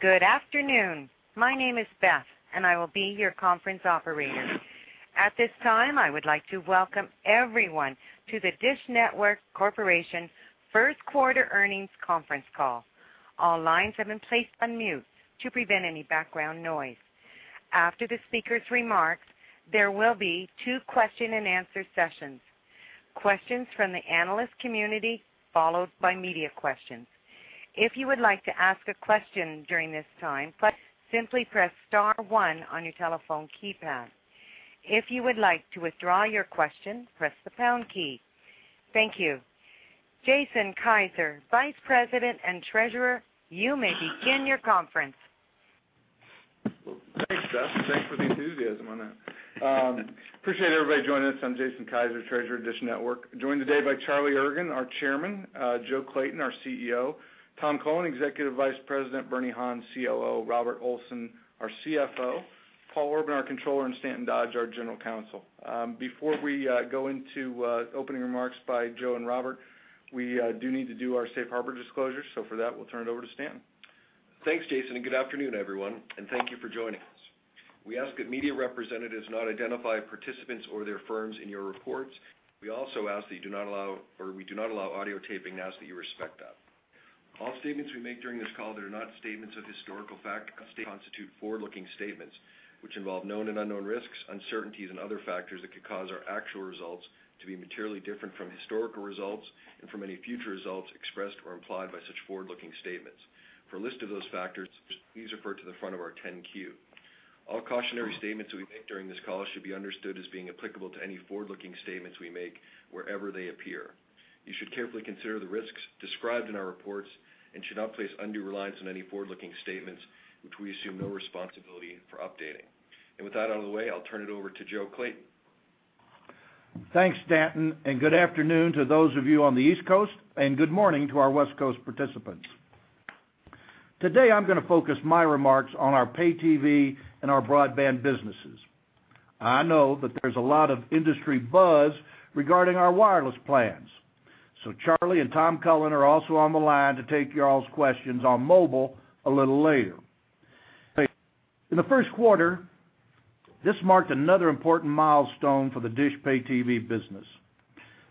Good afternoon. My name is Beth, and I will be your conference operator. At this time, I would like to welcome everyone to the DISH Network Corporation first quarter earnings conference call. All lines have been placed on mute to prevent any background noise. After the speaker's remarks, there will be two question-and-answer sessions. Questions from the analyst community followed by media questions. If you would like to ask a question during this time, please simply press star one on your telephone keypad. If you would like to withdraw your question, press the pound key. Thank you. Jason Kiser, Vice President and Treasurer, you may begin your conference. Well, thanks, Beth. Thanks for the enthusiasm on that. Appreciate everybody joining us. I'm Jason Kiser, Treasurer, DISH Network. Joined today by Charlie Ergen, our Chairman, Joe Clayton, our CEO, Tom Cullen, Executive Vice President, Bernard Han, COO, Robert Olson, our CFO, Paul Orban, our Controller, and Stanton Dodge, our General Counsel. Before we go into opening remarks by Joe and Robert, we do need to do our safe harbor disclosure. For that, we'll turn it over to Stanton. Thanks, Jason. Good afternoon, everyone, and thank you for joining us. We ask that media representatives not identify participants or their firms in your reports. We also ask that we do not allow audio taping and ask that you respect that. All statements we make during this call that are not statements of historical fact constitute forward-looking statements which involve known and unknown risks, uncertainties, and other factors that could cause our actual results to be materially different from historical results and from any future results expressed or implied by such forward-looking statements. For a list of those factors, please refer to the front of our 10-Q. All cautionary statements we make during this call should be understood as being applicable to any forward-looking statements we make wherever they appear. You should carefully consider the risks described in our reports and should not place undue reliance on any forward-looking statements, which we assume no responsibility for updating. With that out of the way, I'll turn it over to Joe Clayton. Thanks, Stanton. Good afternoon to those of you on the East Coast and good morning to our West Coast participants. Today, I'm gonna focus my remarks on our Pay TV and our broadband businesses. I know that there's a lot of industry buzz regarding our wireless plans. Charlie and Tom Cullen are also on the line to take y'all's questions on mobile a little later. In the first quarter, this marked another important milestone for the DISH Pay TV business.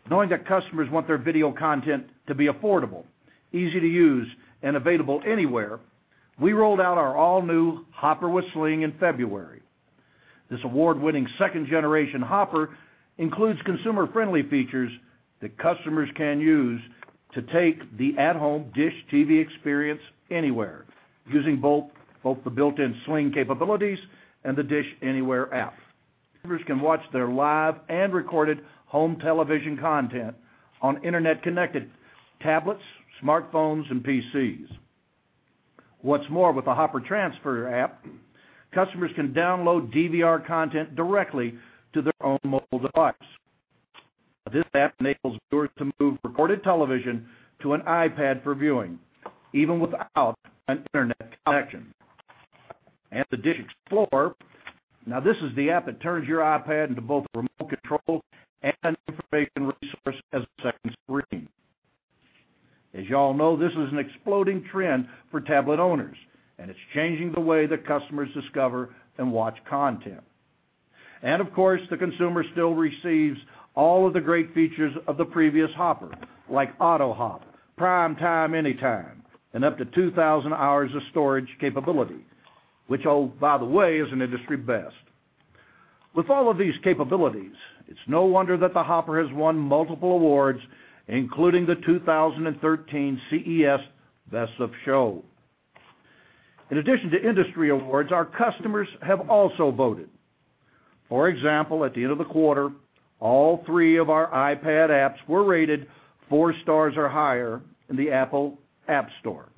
Knowing that customers want their video content to be affordable, easy to use, and available anywhere, we rolled out our all-new Hopper with Sling in February. This award-winning second generation Hopper includes consumer-friendly features that customers can use to take the at-home DISH TV experience anywhere using both the built-in Sling capabilities and the DISH Anywhere app. Customers can watch their live and recorded home television content on Internet-connected tablets, smartphones, and PCs. What's more, with the Hopper Transfers app, customers can download DVR content directly to their own mobile device. This app enables viewers to move recorded television to an iPad for viewing, even without an Internet connection. The DISH Explorer, now this is the app that turns your iPad into both a remote control and information resource as a second screen. As you all know, this is an exploding trend for tablet owners, it's changing the way that customers discover and watch content. Of course, the consumer still receives all of the great features of the previous Hopper, like AutoHop, PrimeTime Anytime, and up to 2,000 hours of storage capability, which all, by the way, is an industry best. With all of these capabilities, it's no wonder that the Hopper has won multiple awards, including the 2013 CES Best of Show. In addition to industry awards, our customers have also voted. For example, at the end of the quarter, all three of our iPad apps were rated four stars or higher in the Apple App Store.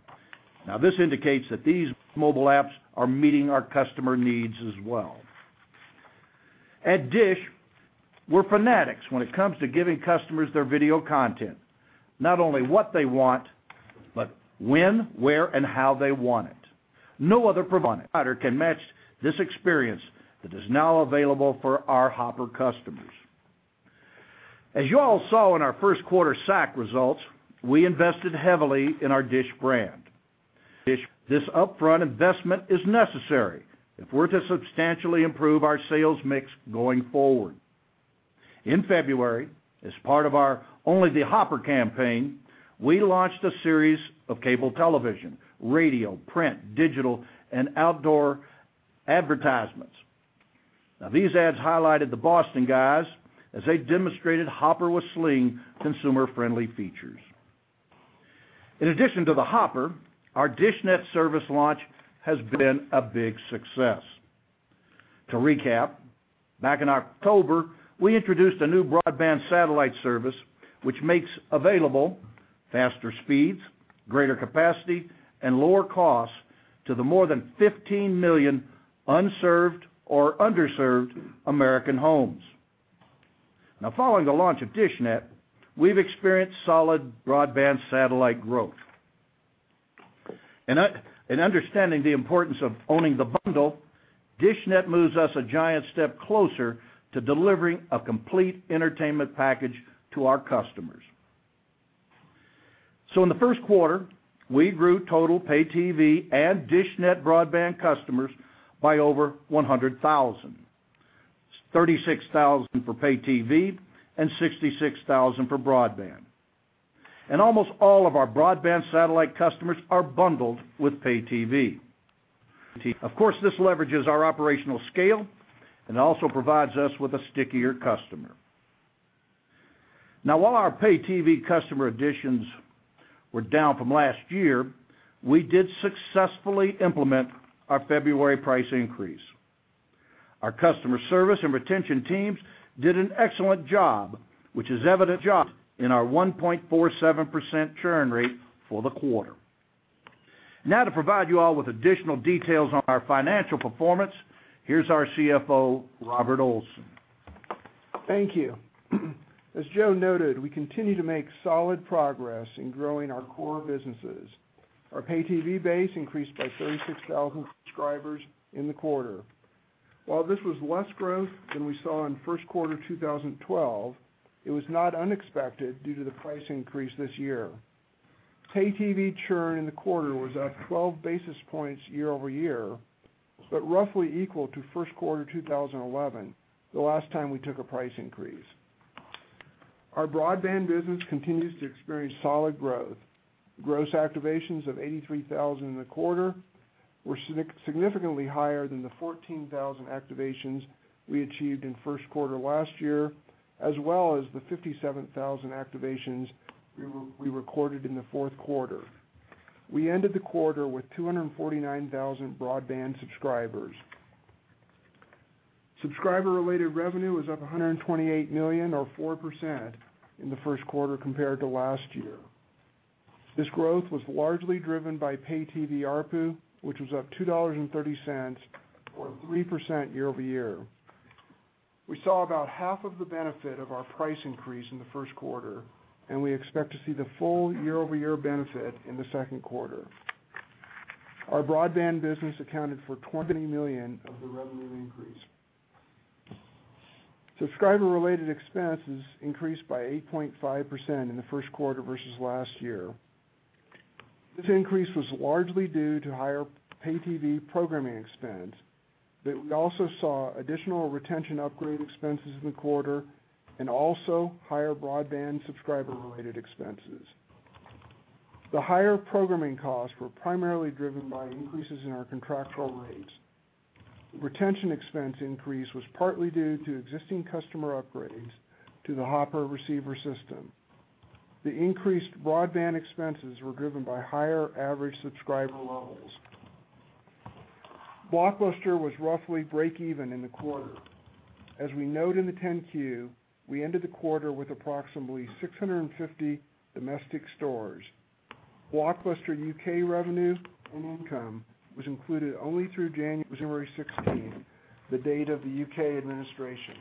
This indicates that these mobile apps are meeting our customer needs as well. At DISH, we're fanatics when it comes to giving customers their video content. Not only what they want, but when, where, and how they want it. No other provider can match this experience that is now available for our Hopper customers. As you all saw in our first quarter SAC results, we invested heavily in our DISH brand. DISH, this upfront investment is necessary if we're to substantially improve our sales mix going forward. In February, as part of our Only the Hopper campaign, we launched a series of cable television, radio, print, digital, and outdoor advertisements. These ads highlighted the Boston Guys as they demonstrated Hopper with Sling consumer-friendly features. In addition to the Hopper, our dishNET service launch has been a big success. To recap, back in October, we introduced a new broadband satellite service which makes available faster speeds, greater capacity, and lower costs to the more than 15 million unserved or underserved American homes. Following the launch of dishNET, we've experienced solid broadband satellite growth. In understanding the importance of owning the bundle, dishNET moves us a giant step closer to delivering a complete entertainment package to our customers. In the first quarter, we grew total pay TV and dishNET broadband customers by over 100,000. 36,000 for pay TV and 66,000 for broadband. Almost all of our broadband satellite customers are bundled with pay TV. Of course, this leverages our operational scale and also provides us with a stickier customer. While our pay TV customer additions were down from last year, we did successfully implement our February price increase. Our customer service and retention teams did an excellent job, which is evident in our 1.47% churn rate for the quarter. To provide you all with additional details on our financial performance, here's our CFO, Robert Olson. Thank you. As Joe noted, we continue to make solid progress in growing our core businesses. Our pay TV base increased by 36,000 subscribers in the quarter. While this was less growth than we saw in first quarter 2012, it was not unexpected due to the price increase this year. Pay TV churn in the quarter was up 12 basis points year-over-year, but roughly equal to first quarter 2011, the last time we took a price increase. Our broadband business continues to experience solid growth. Gross activations of 83,000 in the quarter were significantly higher than the 14,000 activations we achieved in first quarter last year, as well as the 57,000 activations we recorded in the fourth quarter. We ended the quarter with 249,000 broadband subscribers. Subscriber-related revenue was up $128 million or 4% in the first quarter compared to last year. This growth was largely driven by pay TV ARPU, which was up $2.30 or 3% year-over-year. We saw about half of the benefit of our price increase in the first quarter, and we expect to see the full year-over-year benefit in the second quarter. Our broadband business accounted for $20 million of the revenue increase. Subscriber-related expenses increased by 8.5% in the first quarter versus last year. This increase was largely due to higher pay TV programming expense, but we also saw additional retention upgrade expenses in the quarter, and also higher broadband subscriber-related expenses. The higher programming costs were primarily driven by increases in our contractual rates. Retention expense increase was partly due to existing customer upgrades to the Hopper receiver system. The increased broadband expenses were driven by higher average subscriber levels. Blockbuster was roughly break-even in the quarter. As we note in the 10-Q, we ended the quarter with approximately 650 domestic stores. Blockbuster U.K. revenue and income was included only through January 16th, the date of the U.K. administration.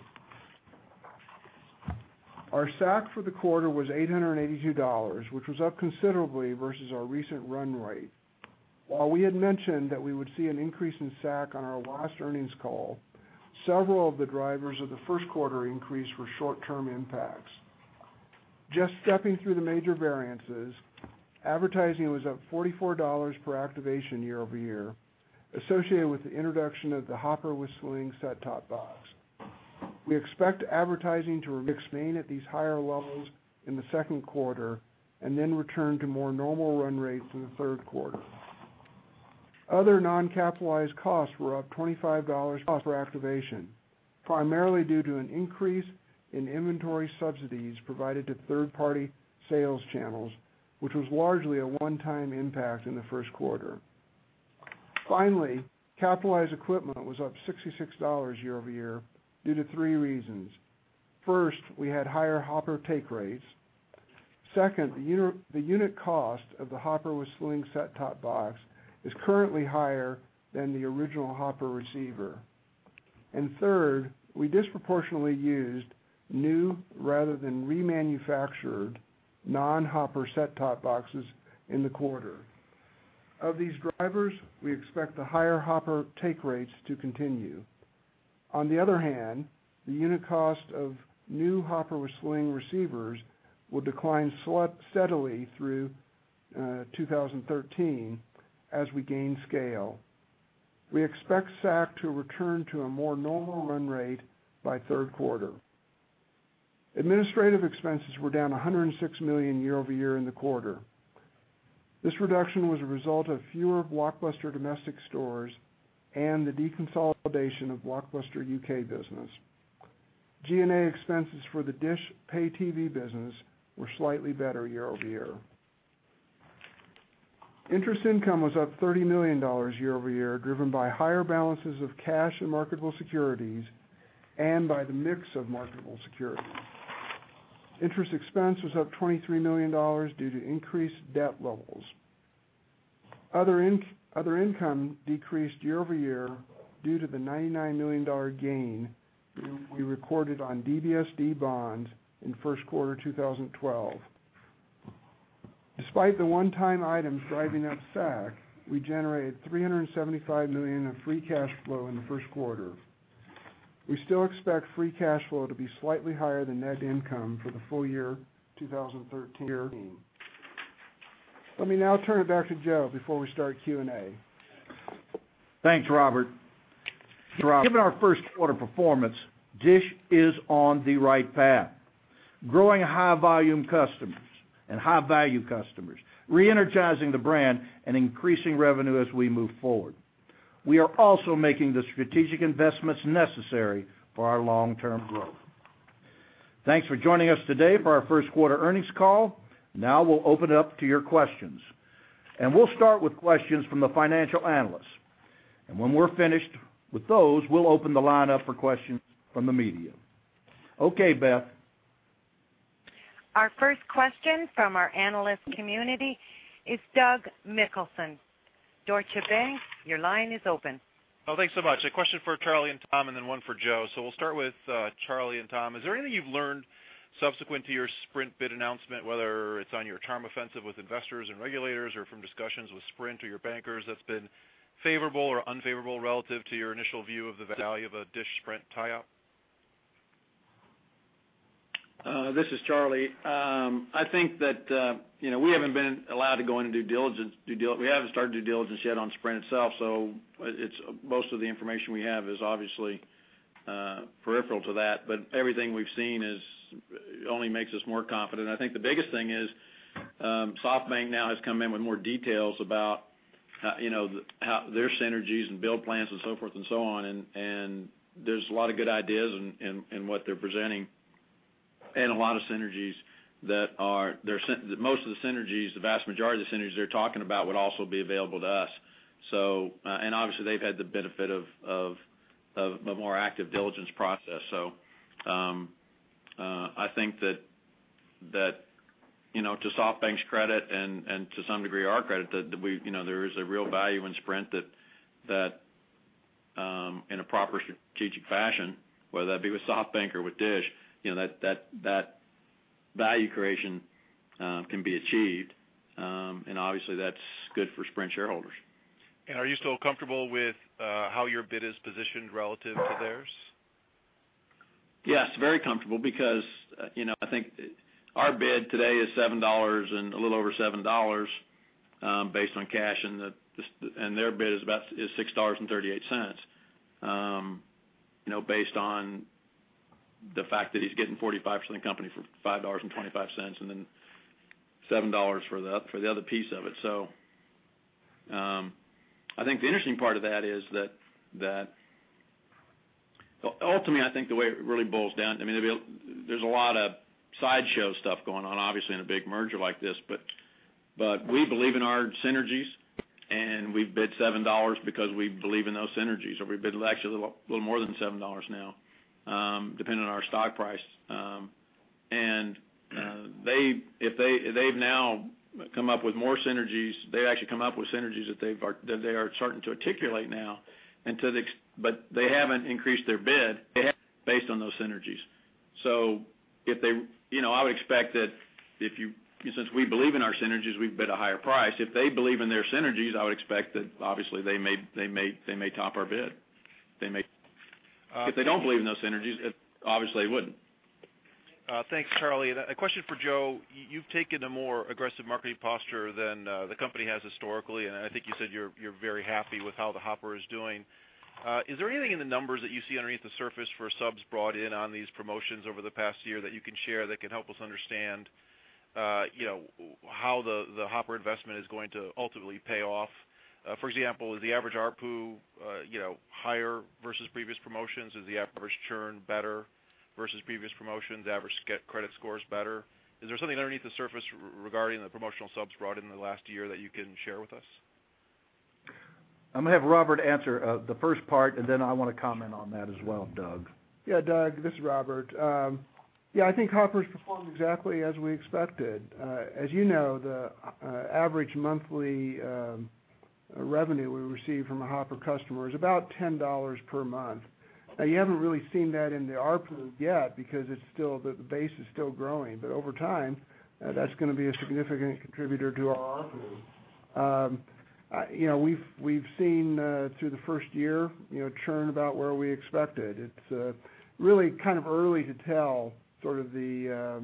Our SAC for the quarter was $882, which was up considerably versus our recent run rate. While we had mentioned that we would see an increase in SAC on our last earnings call, several of the drivers of the first quarter increase were short-term impacts. Just stepping through the major variances, advertising was up $44 per activation year-over-year, associated with the introduction of the Hopper with Sling set-top box. We expect advertising to remain at these higher levels in the second quarter and then return to more normal run rates in the third quarter. Other non-capitalized costs were up $25 per activation, primarily due to an increase in inventory subsidies provided to third-party sales channels, which was largely a one-time impact in the first quarter. Finally, capitalized equipment was up $66 year-over-year due to three reasons. First, we had higher Hopper take rates. Second, the unit cost of the Hopper with Sling set-top box is currently higher than the original Hopper receiver. Third, we disproportionately used new rather than remanufactured non-Hopper set-top boxes in the quarter. Of these drivers, we expect the higher Hopper take rates to continue. On the other hand, the unit cost of new Hopper with Sling receivers will decline steadily through 2013 as we gain scale. We expect SAC to return to a more normal run rate by third quarter. Administrative expenses were down $106 million year-over-year in the quarter. This reduction was a result of fewer Blockbuster domestic stores and the deconsolidation of Blockbuster UK business. G&A expenses for the DISH pay TV business were slightly better year-over-year. Interest income was up $30 million year-over-year, driven by higher balances of cash and marketable securities and by the mix of marketable securities. Interest expense was up $23 million due to increased debt levels. Other income decreased year-over-year due to the $99 million gain we recorded on DBSD bonds in first quarter 2012. Despite the one-time items driving up SAC, we generated $375 million in free cash flow in the first quarter. We still expect free cash flow to be slightly higher than net income for the full year 2013. Let me now turn it back to Joe before we start Q&A. Thanks, Robert. Given our first quarter performance, DISH is on the right path, growing high volume customers and high value customers, re-energizing the brand and increasing revenue as we move forward. We are also making the strategic investments necessary for our long-term growth. Thanks for joining us today for our first quarter earnings call. We'll open up to your questions. We'll start with questions from the financial analysts. When we're finished with those, we'll open the line up for questions from the media. Okay, Beth. Our first question from our analyst community is Doug Mitchelson, Deutsche Bank. Your line is open. Thanks so much. A question for Charlie and Tom, and then one for Joe. We'll start with Charlie and Tom. Is there anything you've learned subsequent to your Sprint bid announcement, whether it's on your charm offensive with investors and regulators or from discussions with Sprint or your bankers, that's been favorable or unfavorable relative to your initial view of the value of a DISH-Sprint tie-up? This is Charlie. I think that, you know, we haven't been allowed to go into due diligence. We haven't started due diligence yet on Sprint itself, so most of the information we have is obviously peripheral to that. Everything we've seen is, only makes us more confident. I think the biggest thing is, SoftBank now has come in with more details about how, you know, how their synergies and build plans and so forth and so on, and there's a lot of good ideas in what they're presenting, and a lot of synergies that are most of the synergies, the vast majority of synergies they're talking about would also be available to us. Obviously they've had the benefit of a more active diligence process. I think that, you know, to SoftBank's credit and to some degree our credit, that we, you know, there is a real value in Sprint that, in a proper strategic fashion, whether that be with SoftBank or with DISH, you know, that value creation can be achieved. Obviously that's good for Sprint shareholders. Are you still comfortable with how your bid is positioned relative to theirs? Very comfortable because, you know, I think our bid today is $7 and a little over $7, based on cash, and their bid is about $6.38, you know, based on the fact that he's getting 45% of the company for $5.25, and then $7 for the, for the other piece of it. I think the interesting part of that is that Ultimately, I think the way it really boils down, I mean, there's a lot of sideshow stuff going on, obviously, in a big merger like this, but we believe in our synergies, and we've bid $7 because we believe in those synergies. We bid actually a little more than $7 now, depending on our stock price. They've now come up with more synergies. They've actually come up with synergies that they are starting to articulate now, but they haven't increased their bid based on those synergies. If they, you know, I would expect that since we believe in our synergies, we've bid a higher price. If they believe in their synergies, I would expect that obviously they may top our bid. They may. If they don't believe in those synergies, obviously they wouldn't. Thanks, Charlie. A question for Joe. You've taken a more aggressive marketing posture than the company has historically, and I think you said you're very happy with how the Hopper is doing. Is there anything in the numbers that you see underneath the surface for subs brought in on these promotions over the past year that you can share that can help us understand, you know, how the Hopper investment is going to ultimately pay off? For example, is the average ARPU, you know, higher versus previous promotions? Is the average churn better versus previous promotions? Average credit scores better? Is there something underneath the surface regarding the promotional subs brought in in the last year that you can share with us? I'm gonna have Robert answer the first part, and then I wanna comment on that as well, Doug. Doug, this is Robert. Yeah, I think Hopper's performed exactly as we expected. As you know, the average monthly revenue we receive from a Hopper customer is about $10 per month. You haven't really seen that in the ARPU yet because the base is still growing. Over time, that's gonna be a significant contributor to our ARPU. You know, we've seen through the first year, you know, churn about where we expected. It's really kind of early to tell sort of the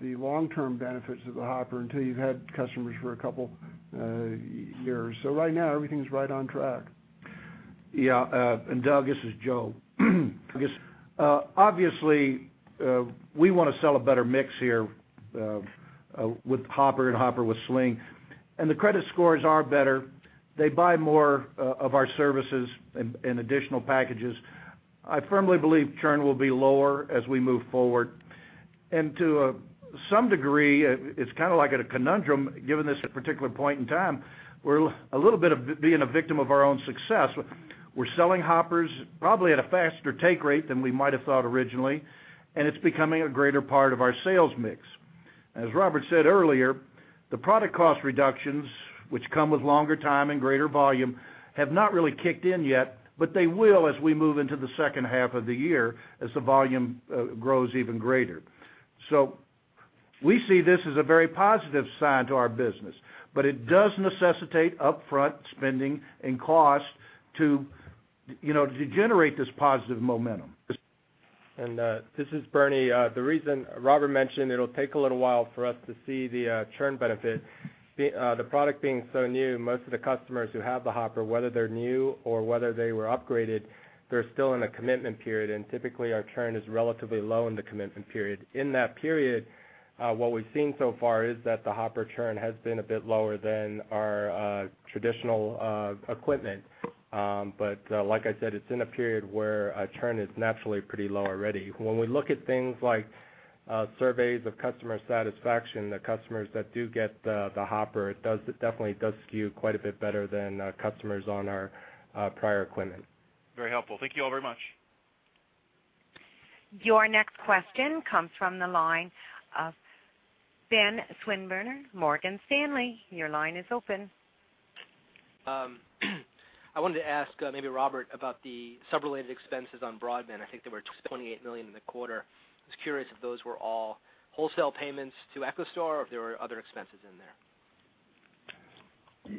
long-term benefits of the Hopper until you've had customers for a couple years. Right now, everything's right on track. Yeah, and Doug, this is Joe. I guess, obviously, we wanna sell a better mix here with Hopper and Hopper with Sling, and the credit scores are better. They buy more of our services and additional packages. I firmly believe churn will be lower as we move forward. To some degree, it's kind of like at a conundrum given this particular point in time. We're a little bit of being a victim of our own success. We're selling Hoppers probably at a faster take rate than we might have thought originally, and it's becoming a greater part of our sales mix. As Robert said earlier, the product cost reductions, which come with longer time and greater volume, have not really kicked in yet, but they will as we move into the second half of the year as the volume grows even greater. We see this as a very positive sign to our business, but it does necessitate upfront spending and cost to, you know, to generate this positive momentum. This is Bernie. The reason Robert Olson mentioned it'll take a little while for us to see the churn benefit, the product being so new, most of the customers who have the Hopper, whether they're new or whether they were upgraded, they're still in a commitment period, and typically, our churn is relatively low in the commitment period. In that period, what we've seen so far is that the Hopper churn has been a bit lower than our traditional equipment. Like I said, it's in a period where a churn is naturally pretty low already. When we look at things like surveys of customer satisfaction, the customers that do get the Hopper, it definitely does skew quite a bit better than customers on our prior equipment. Very helpful. Thank you all very much. Your next question comes from the line of Ben Swinburne, Morgan Stanley. Your line is open. I wanted to ask, maybe Robert about the sub-related expenses on broadband. I think there were just $28 million in the quarter. I was curious if those were all wholesale payments to EchoStar or if there were other expenses in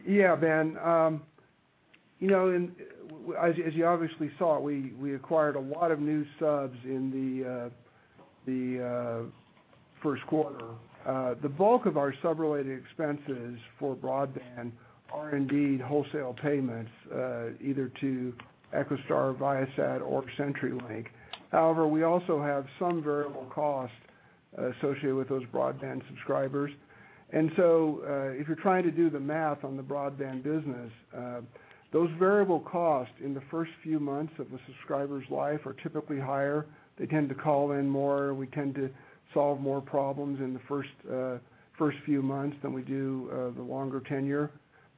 there. Ben, you know, as you obviously saw, we acquired a lot of new subs in the 1st quarter. The bulk of our sub-related expenses for broadband are indeed wholesale payments, either to EchoStar, Viasat, or CenturyLink. We also have some variable costs associated with those broadband subscribers. If you're trying to do the math on the broadband business, those variable costs in the first few months of the subscriber's life are typically higher. They tend to call in more. We tend to solve more problems in the first few months than we do the longer tenure.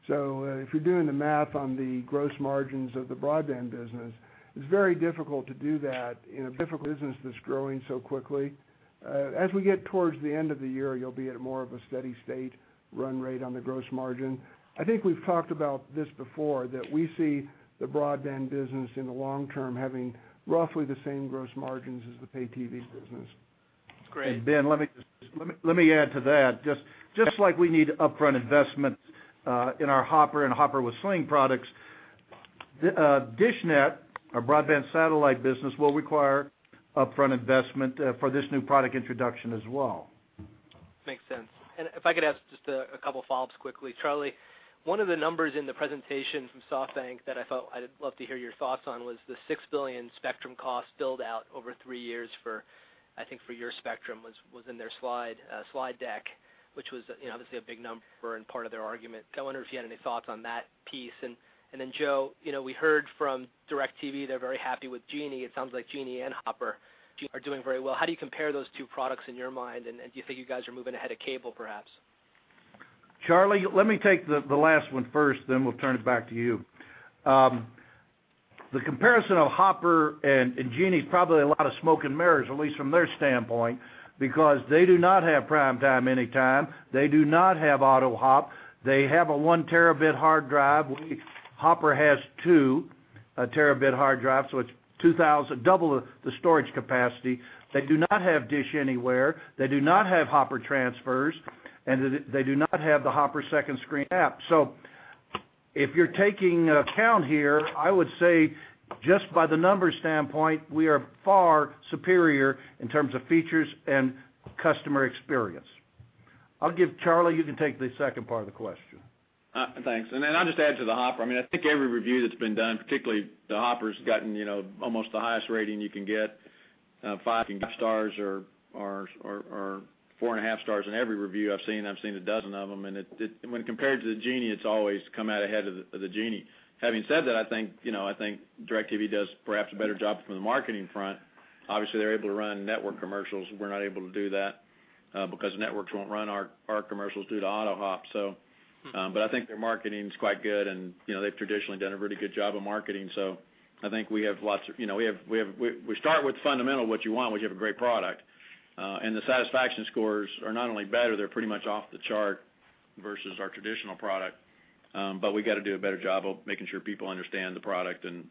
If you're doing the math on the gross margins of the broadband business, it's very difficult to do that in a different business that's growing so quickly. As we get towards the end of the year, you'll be at a more of a steady state run rate on the gross margin. I think we've talked about this before, that we see the broadband business in the long term having roughly the same gross margins as the pay TV business. That's great. Ben, let me add to that. Just like we need upfront investment in our Hopper and Hopper with Sling products, dishNET, our broadband satellite business, will require upfront investment for this new product introduction as well. Makes sense. If I could ask just a couple follow-ups quickly. Charlie, one of the numbers in the presentation from SoftBank that I thought I'd love to hear your thoughts on was the $6 billion spectrum cost build-out over three years for, I think, for your spectrum was in their slide deck, which was, you know, obviously a big number and part of their argument. I wonder if you had any thoughts on that piece. Then, Joe, you know, we heard from DirecTV they're very happy with Genie. It sounds like Genie and Hopper are doing very well. How do you compare those two products in your mind, and do you think you guys are moving ahead of cable, perhaps? Charlie, let me take the last one first, then we'll turn it back to you. The comparison of Hopper and Genie is probably a lot of smoke and mirrors, at least from their standpoint, because they do not have PrimeTime Anytime. They do not have AutoHop. They have a 1Tb hard drive. Hopper has 2Tb hard drives, double the storage capacity. They do not have DISH Anywhere. They do not have Hopper Transfers. They do not have the Hopper Second Screen app. If you're taking a count here, I would say just by the numbers standpoint, we are far superior in terms of features and customer experience. I'll give Charlie, you can take the second part of the question. Thanks. I'll just add to the Hopper. I mean, I think every review that's been done, particularly the Hopper's gotten, you know, almost the highest rating you can get, five and a half stars or four and a half stars in every review I've seen, and I've seen 12 of them. When compared to the Genie, it's always come out ahead of the Genie. Having said that, I think, you know, I think DirecTV does perhaps a better job from the marketing front. Obviously, they're able to run network commercials. We're not able to do that because networks won't run our commercials due to AutoHop. But I think their marketing is quite good and, you know, they've traditionally done a really good job of marketing. I think we have lots of You know, we have, we start with fundamental, what you want, which you have a great product. The satisfaction scores are not only better, they're pretty much off the chart versus our traditional product. We gotta do a better job of making sure people understand the product and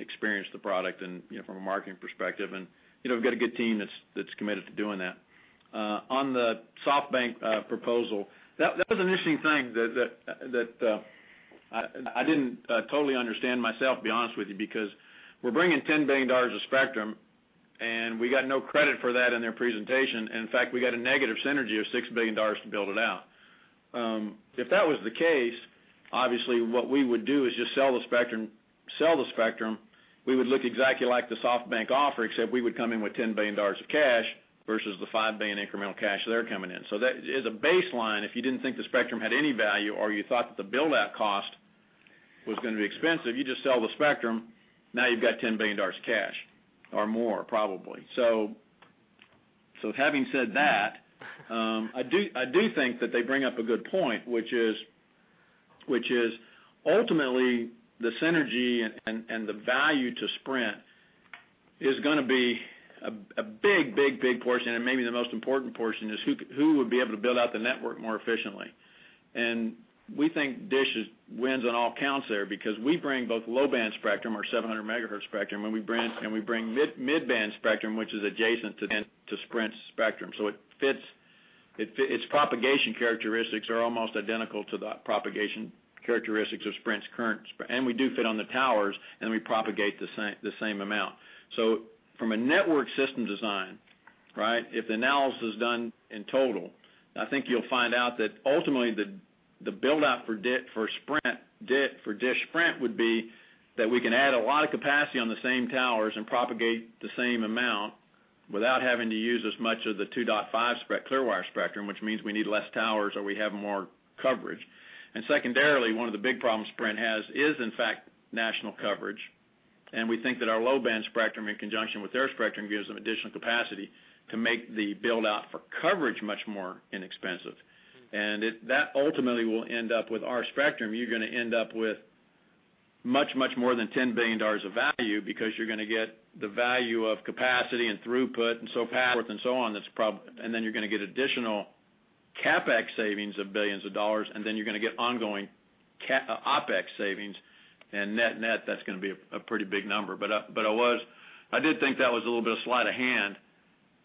experience the product and, you know, from a marketing perspective. You know, we've got a good team that's committed to doing that. On the SoftBank proposal, that was an interesting thing that, I didn't totally understand myself, to be honest with you, because we're bringing $10 billion of spectrum, and we got no credit for that in their presentation. In fact, we got a negative synergy of $6 billion to build it out. If that was the case, obviously what we would do is just sell the spectrum. We would look exactly like the SoftBank offer, except we would come in with $10 billion of cash versus the $5 billion incremental cash they're coming in. That, as a baseline, if you didn't think the spectrum had any value or you thought that the build-out cost was gonna be expensive, you just sell the spectrum. Now you've got $10 billion cash or more probably. Having said that, I do think that they bring up a good point, which is ultimately the synergy and the value to Sprint is gonna be a big, big, big portion, and maybe the most important portion is who would be able to build out the network more efficiently. We think DISH wins on all counts there because we bring both low-band spectrum or 700MHz spectrum, and we bring mid-band spectrum, which is adjacent to Sprint's spectrum. It fits its propagation characteristics are almost identical to the propagation characteristics of Sprint's current spectrum, and we do fit on the towers, and we propagate the same amount. From a network system design, right? If the analysis is done in total, I think you'll find out that ultimately, the build out for DISH for Sprint, DISH for DISH Sprint would be that we can add a lot of capacity on the same towers and propagate the same amount without having to use as much of the 2.5 Clearwire spectrum, which means we need less towers, or we have more coverage. Secondarily, one of the big problems Sprint has is, in fact, national coverage. We think that our low-band spectrum in conjunction with their spectrum, gives them additional capacity to make the build out for coverage much more inexpensive. That ultimately will end up with our spectrum, you're gonna end up with much, much more than $10 billion of value because you're gonna get the value of capacity and throughput and so forth and so on, and then you're gonna get additional CapEx savings of billions of dollars, and then you're gonna get ongoing OpEx savings. Net, net, that's gonna be a pretty big number. I did think that was a little bit of sleight of hand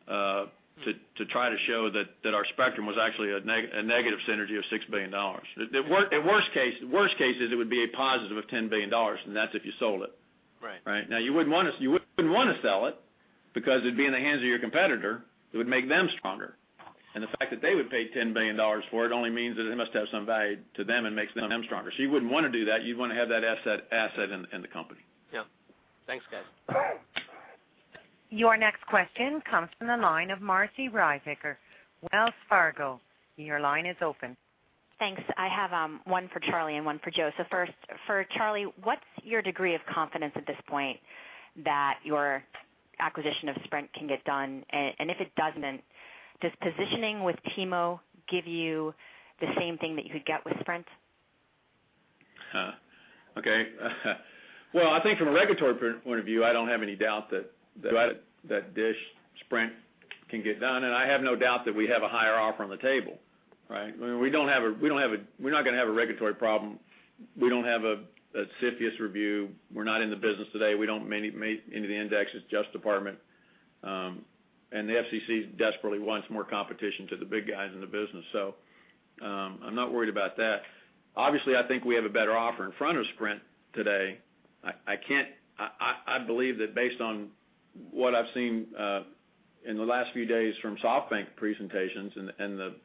to try to show that our spectrum was actually a negative synergy of $6 billion. At worst case, worst case is it would be a positive of $10 billion, and that's if you sold it. Right. Right? You wouldn't wanna sell it because it'd be in the hands of your competitor. It would make them stronger. The fact that they would pay $10 billion for it only means that it must have some value to them and makes them stronger. You wouldn't wanna do that. You'd wanna have that asset in the company. Yeah. Thanks, guys. Your next question comes from the line of Marci Ryvicker, Wells Fargo. Your line is open. Thanks. I have one for Charlie and one for Joe. First for Charlie, what's your degree of confidence at this point that your acquisition of Sprint can get done? If it doesn't, does positioning with T-Mo give you the same thing that you could get with Sprint? Okay. Well, I think from a regulatory point of view, I don't have any doubt that DISH Sprint can get done. I have no doubt that we have a higher offer on the table, right? I mean, we don't have a regulatory problem. We don't have a CFIUS review. We're not in the business today. We don't make any of the indexes, Department of Justice. The FCC desperately wants more competition to the big guys in the business. I'm not worried about that. Obviously, I think we have a better offer in front of Sprint today. I can't. I believe that based on what I've seen in the last few days from SoftBank presentations and the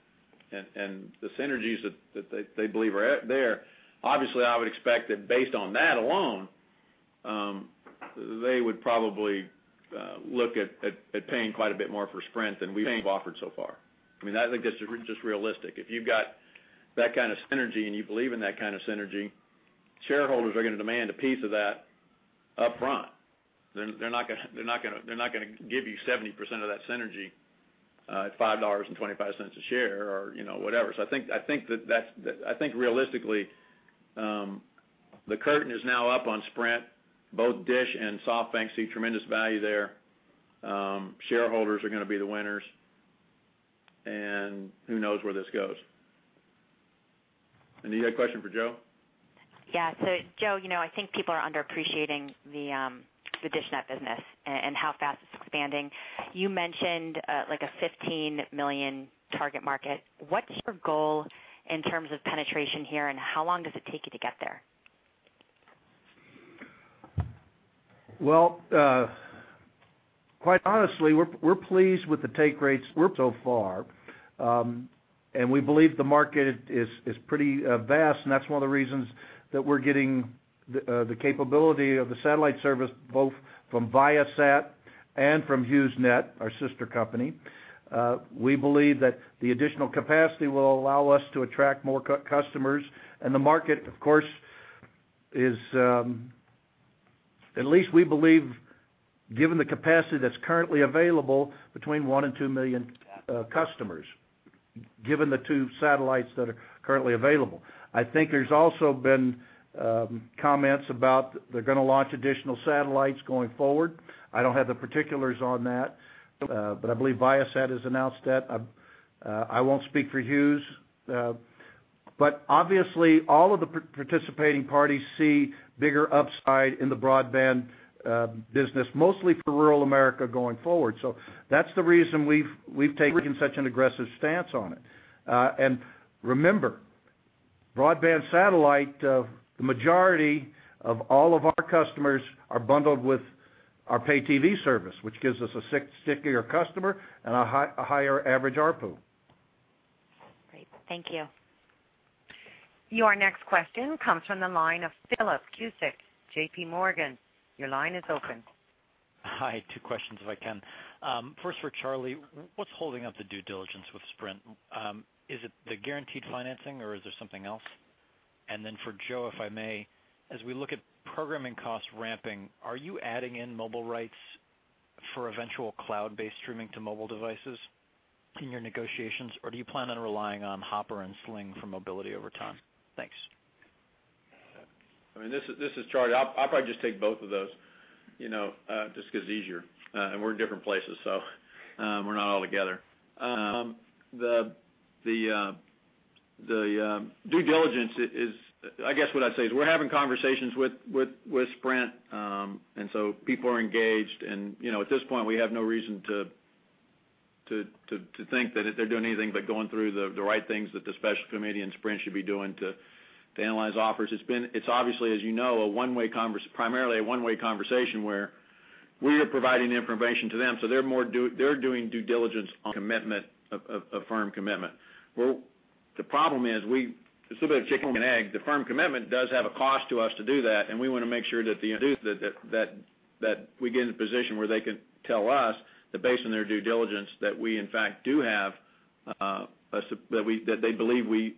synergies that they believe are out there. Obviously, I would expect that based on that alone, they would probably look at paying quite a bit more for Sprint than we have offered so far. I mean, I think that's just realistic. If you've got that kind of synergy, and you believe in that kind of synergy, shareholders are gonna demand a piece of that upfront. They're not gonna give you 70% of that synergy at $5.25 a share or, you know, whatever. I think that's. I think realistically, the curtain is now up on Sprint. Both DISH and SoftBank see tremendous value there. Shareholders are gonna be the winners. Who knows where this goes. You had a question for Joe? Yeah. Joe, you know, I think people are underappreciating the dishNET business and how fast it's expanding. You mentioned, like a 15 million target market. What's your goal in terms of penetration here, and how long does it take you to get there? Well, quite honestly, we're pleased with the take rates so far. We believe the market is pretty vast, and that's one of the reasons that we're getting the capability of the satellite service both from Viasat and from HughesNet, our sister company. We believe that the additional capacity will allow us to attract more customers. The market, of course, is, at least we believe, given the capacity that's currently available between 1 and 2 million customers, given the two satellites that are currently available. I think there's also been comments about they're gonna launch additional satellites going forward. I don't have the particulars on that, but I believe Viasat has announced that. I won't speak for Hughes. Obviously, all of the participating parties see bigger upside in the broadband business, mostly for rural America going forward. That's the reason we've taken such an aggressive stance on it. Remember, broadband satellite, the majority of all of our customers are bundled with our pay TV service, which gives us a stickier customer and a higher average ARPU. Great. Thank you. Your next question comes from the line of Philip Cusick, JPMorgan. Your line is open. Hi, two questions if I can. First for Charlie, what's holding up the due diligence with Sprint? Is it the guaranteed financing or is there something else? For Joe, if I may, as we look at programming costs ramping, are you adding in mobile rights for eventual cloud-based streaming to mobile devices in your negotiations, or do you plan on relying on Hopper and Sling for mobility over time? Thanks. I mean, this is Charlie. I'll probably just take both of those, you know, just 'cause it's easier, and we're in different places, so we're not all together. The due diligence is I guess what I'd say is we're having conversations with Sprint, so people are engaged. You know, at this point, we have no reason to think that they're doing anything but going through the right things that the special committee and Sprint should be doing to analyze offers. It's obviously, as you know, a primarily a one-way conversation where we are providing the information to them, so they're doing due diligence on commitment, a firm commitment. Well, the problem is it's a bit of a chicken and egg. The firm commitment does have a cost to us to do that, and we wanna make sure that we get in a position where they can tell us that based on their due diligence that we in fact do have that they believe we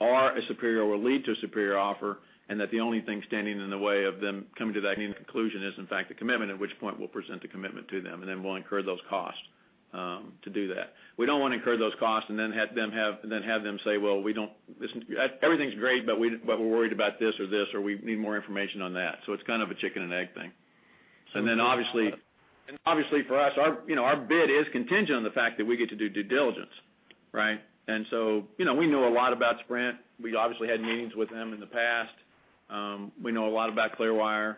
are a superior or will lead to a superior offer, and that the only thing standing in the way of them coming to that conclusion is in fact the commitment, at which point we'll present the commitment to them, and then we'll incur those costs to do that. We don't wanna incur those costs and then have them say, "Listen, everything's great, but we're worried about this or this or we need more information on that." It's kind of a chicken and egg thing. Obviously for us, our, you know, our bid is contingent on the fact that we get to do due diligence, right? You know, we know a lot about Sprint. We obviously had meetings with them in the past. We know a lot about Clearwire.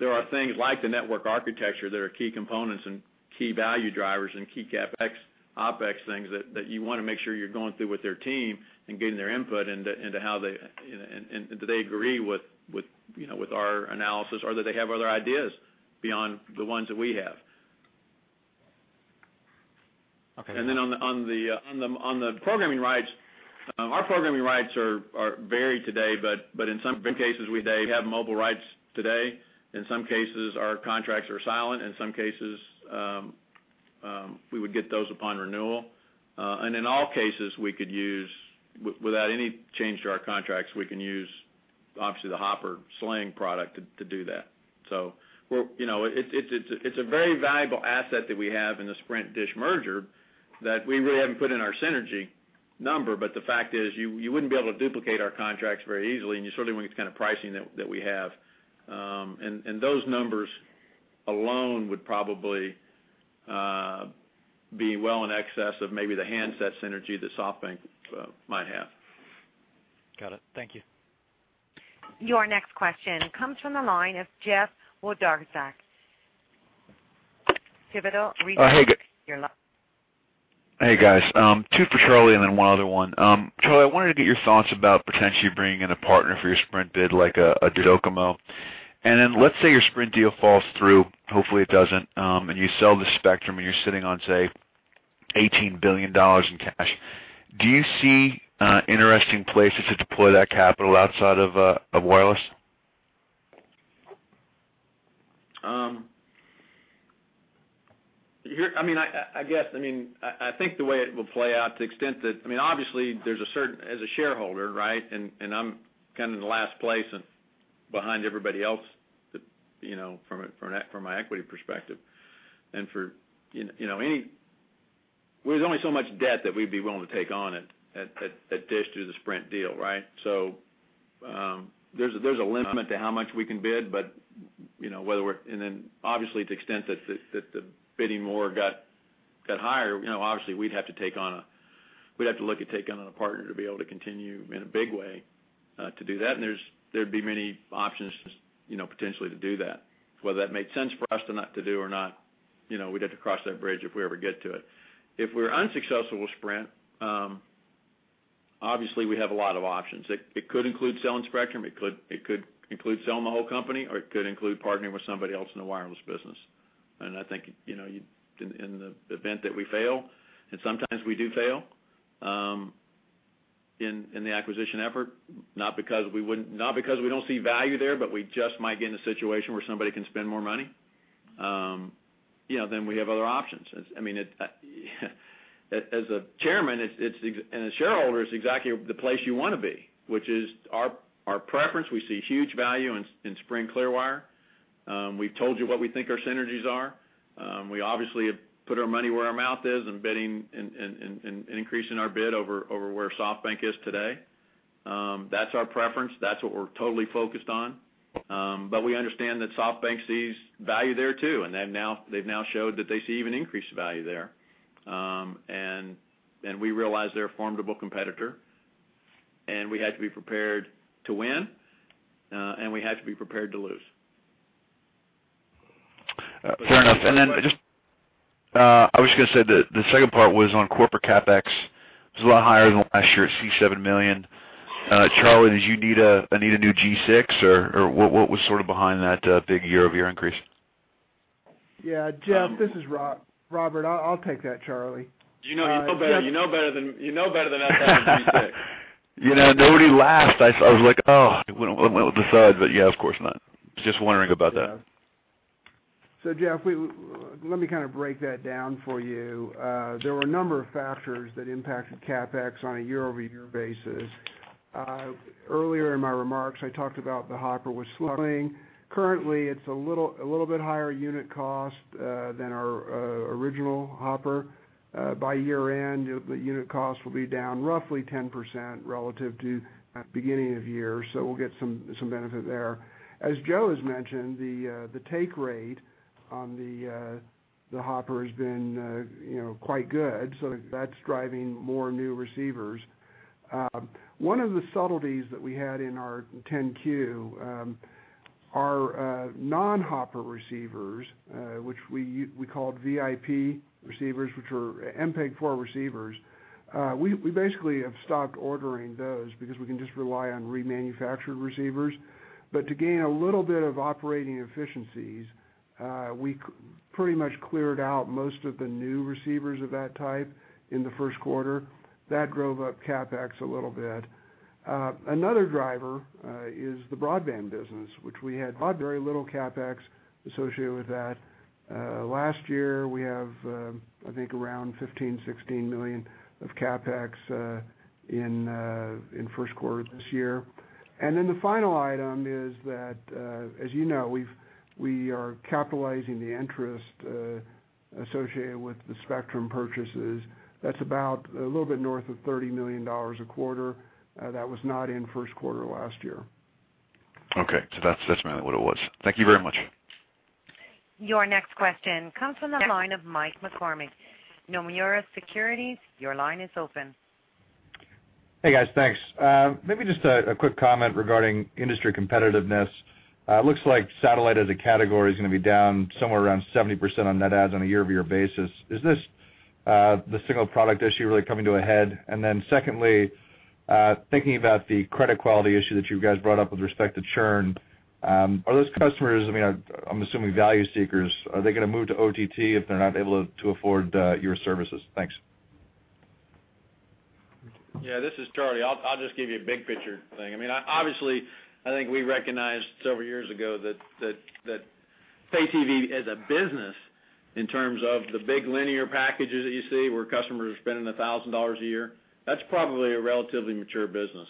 There are things like the network architecture that are key components and key value drivers and key CapEx, OpEx things that you wanna make sure you're going through with their team and getting their input into how they and do they agree with, you know, with our analysis or that they have other ideas beyond the ones that we have. Okay. On the programming rights, our programming rights are varied today, but in some cases we have mobile rights today. In some cases, our contracts are silent. In some cases, we would get those upon renewal. In all cases, we could use without any change to our contracts, we can use obviously the Hopper Sling product to do that. You know, it's a very valuable asset that we have in the Sprint DISH merger that we really haven't put in our synergy number. The fact is, you wouldn't be able to duplicate our contracts very easily, and you certainly wouldn't get the kind of pricing that we have. Those numbers alone would probably be well in excess of maybe the handset synergy that SoftBank might have. Got it. Thank you. Your next question comes from the line of Jeff Wlodarczak, Pivotal Research. Hey. Your li- Hey, guys. Two for Charlie and then one other one. Charlie, I wanted to get your thoughts about potentially bringing in a partner for your Sprint bid, like a DoCoMo. Then let's say your Sprint deal falls through, hopefully it doesn't, and you sell the spectrum and you're sitting on, say, $18 billion in cash. Do you see interesting places to deploy that capital outside of wireless? I mean, I guess, I mean, I think the way it will play out to the extent that I mean, obviously, there's a certain as a shareholder, right? I'm kind of in the last place and behind everybody else, you know, from my equity perspective. There's only so much debt that we'd be willing to take on at DISH through the Sprint deal, right? There's a limit to how much we can bid, but, you know, obviously, to the extent that the bidding war got higher, you know, obviously we'd have to look at taking on a partner to be able to continue in a big way to do that. There'd be many options, you know, potentially to do that. Whether that made sense for us not to do or not, you know, we'd have to cross that bridge if we ever get to it. If we're unsuccessful with Sprint, obviously we have a lot of options. It could include selling spectrum, it could include selling the whole company, or it could include partnering with somebody else in the wireless business. I think, you know, in the event that we fail, and sometimes we do fail, in the acquisition effort, not because we don't see value there, but we just might be in a situation where somebody can spend more money, you know, then we have other options. I mean, it, as a chairman, and a shareholder, it's exactly the place you wanna be, which is our preference. We see huge value in Sprint Clearwire. We've told you what we think our synergies are. We obviously have put our money where our mouth is in bidding and increasing our bid over where SoftBank is today. That's our preference. That's what we're totally focused on. We understand that SoftBank sees value there too, and they've now showed that they see even increased value there. We realize they're a formidable competitor, and we have to be prepared to win and we have to be prepared to lose. Fair enough. Just the second part was on corporate CapEx. It's a lot higher than last year at $70 million. Charlie, did you need a new G650 or what was sort of behind that big year-over-year increase? Yeah. Jeff, this is Robert. I'll take that, Charlie. You know, you know better than I have a new G650. You know, nobody laughed. I was like, "Oh, it went over the side." Yeah, of course not. Just wondering about that. Jeff, let me break that down for you. There were a number of factors that impacted CapEx on a year-over-year basis. Earlier in my remarks, I talked about the Hopper was slowing. Currently, it's a little bit higher unit cost than our original Hopper. By year-end, the unit cost will be down roughly 10% relative to beginning of year. We'll get some benefit there. As Joe has mentioned, the take rate on the Hopper has been, you know, quite good. That's driving more new receivers. One of the subtleties that we had in our 10-Q, our non-Hopper receivers, which we called ViP receivers, which are MPEG-4 receivers, we basically have stopped ordering those because we can just rely on remanufactured receivers. To gain a little bit of operating efficiencies, we pretty much cleared out most of the new receivers of that type in the first quarter. That drove up CapEx a little bit. Another driver is the broadband business, which we had very little CapEx associated with that. Last year, we have, I think around $15 million, $16 million of CapEx in first quarter this year. The final item is that, as you know, we are capitalizing the interest associated with the spectrum purchases. That's about a little bit north of $30 million a quarter. That was not in first quarter last year. Okay. That's mainly what it was. Thank you very much. Your next question comes from the line of Mike McCormack. Nomura Securities, your line is open. Hey, guys. Thanks. Maybe just a quick comment regarding industry competitiveness. It looks like satellite as a category is gonna be down somewhere around 70% on net adds on a year-over-year basis. Is this the single product issue really coming to a head? Then secondly, thinking about the credit quality issue that you guys brought up with respect to churn, are those customers, I mean, I'm assuming value seekers, are they gonna move to OTT if they're not able to afford your services? Thanks. Yeah, this is Charlie. I'll just give you a big picture thing. I mean, obviously, I think we recognized several years ago that pay TV as a business in terms of the big linear packages that you see where customers are spending $1,000 a year, that's probably a relatively mature business.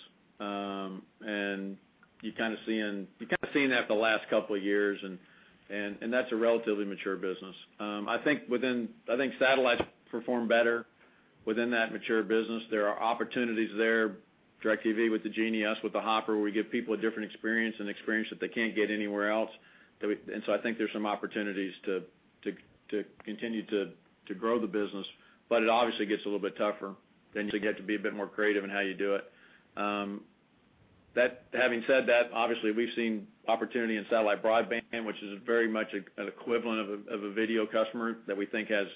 You've kind of seen that the last couple of years, and that's a relatively mature business. I think satellite perform better within that mature business. There are opportunities there, DirecTV with the Genie, us with the Hopper, where we give people a different experience, an experience that they can't get anywhere else. I think there's some opportunities to continue to grow the business, but it obviously gets a little bit tougher, then you get to be a bit more creative in how you do it. Having said that, obviously we've seen opportunity in satellite broadband, which is very much an equivalent of a video customer that we think has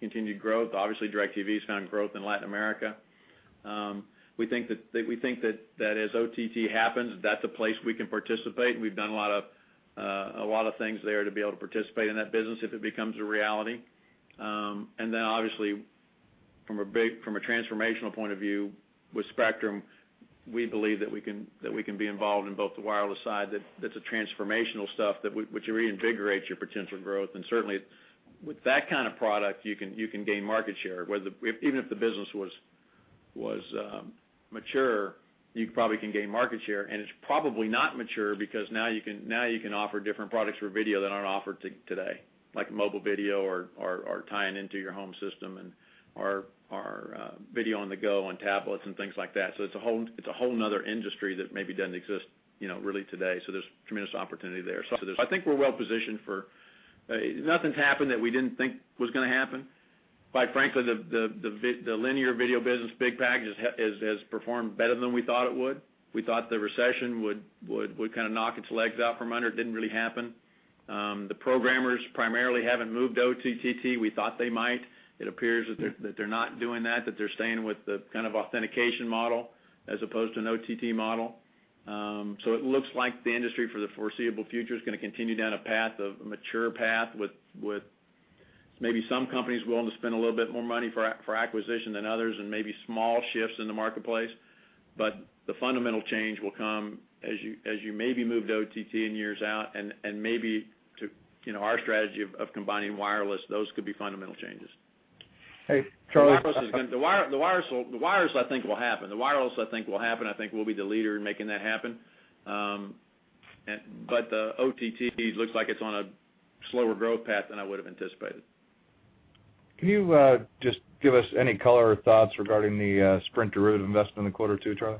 continued growth. Obviously, DirecTV has found growth in Latin America. We think that as OTT happens, that's a place we can participate, and we've done a lot of things there to be able to participate in that business if it becomes a reality. Obviously, from a transformational point of view with spectrum, we believe that we can be involved in both the wireless side, that that's a transformational stuff which reinvigorates your potential growth. Certainly, with that kind of product, you can gain market share. Even if the business was mature, you probably can gain market share. It's probably not mature because now you can offer different products for video that aren't offered today, like mobile video or tying into your home system or video on the go on tablets and things like that. It's a whole another industry that maybe doesn't exist, you know, really today. There's tremendous opportunity there. Nothing's happened that we didn't think was going to happen. Quite frankly, the linear video business, big packages has performed better than we thought it would. We thought the recession would kind of knock its legs out from under. It didn't really happen. The programmers primarily haven't moved OTT. We thought they might. It appears that they're not doing that they're staying with the kind of authentication model as opposed to an OTT model. It looks like the industry for the foreseeable future is going to continue down a mature path with maybe some companies willing to spend a little bit more money for acquisition than others and maybe small shifts in the marketplace. The fundamental change will come as you maybe move to OTT in years out and maybe to, you know, our strategy of combining wireless, those could be fundamental changes. Hey, Charlie. The wireless I think will happen. The wireless I think will happen. I think we'll be the leader in making that happen. The OTT looks like it's on a slower growth path than I would have anticipated. Can you just give us any color or thoughts regarding the Sprint-derived investment in the quarter two, Charlie?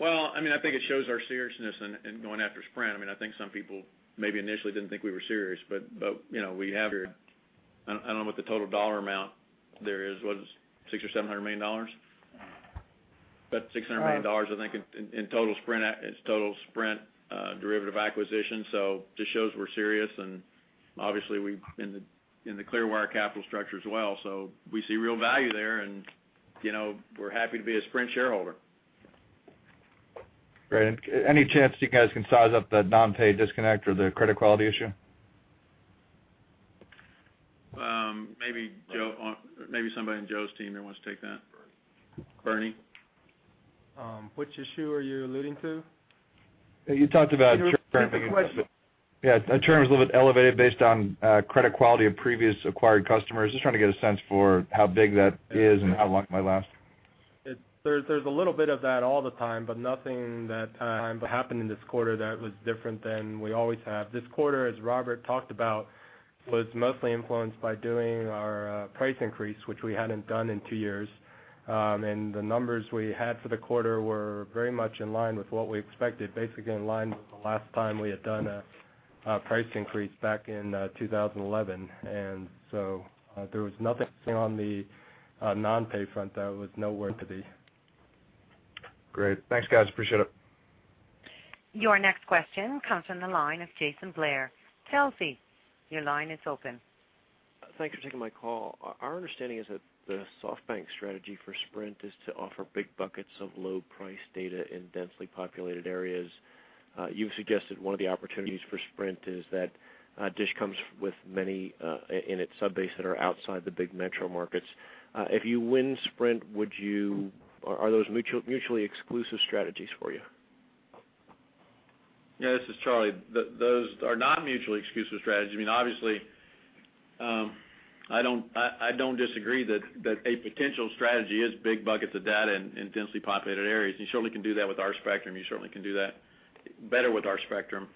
Well, I mean, I think it shows our seriousness in going after Sprint. I mean, I think some people maybe initially didn't think we were serious, but, you know, we have your I don't know what the total dollar amount there is. What is it? $600 million or $700 million? About $600 million, I think in total Sprint, its total Sprint derivative acquisition. Just shows we're serious and obviously we've been in the Clearwire capital structure as well. We see real value there and, you know, we're happy to be a Sprint shareholder. Great. Any chance you guys can size up the non-pay disconnect or the credit quality issue? Maybe Joe or maybe somebody in Joe's team here wants to take that. Bernie? Which issue are you alluding to? You talked about churn. Can you repeat the question? Yeah. Churn was a little bit elevated based on credit quality of previous acquired customers. Just trying to get a sense for how big that is and how long it might last. There's a little bit of that all the time, nothing that happened in this quarter that was different than we always have. This quarter, as Robert talked about, was mostly influenced by doing our price increase, which we hadn't done in two years. The numbers we had for the quarter were very much in line with what we expected, basically in line with the last time we had done a price increase back in 2011. There was nothing on the non-pay front that was noteworthy. Great. Thanks, guys. Appreciate it. Your next question comes from the line of Jason Bazinet. Citi, your line is open. Thank you for taking my call. Our understanding is that the SoftBank strategy for Sprint is to offer big buckets of low-price data in densely populated areas. You've suggested one of the opportunities for Sprint is that DISH comes with many in its subbase that are outside the big metro markets. If you win Sprint, are those mutually exclusive strategies for you? Yeah, this is Charlie. Those are not mutually exclusive strategies. I mean, obviously, I don't disagree that a potential strategy is big buckets of data in densely populated areas. You certainly can do that with our spectrum. You certainly can do that better with our spectrum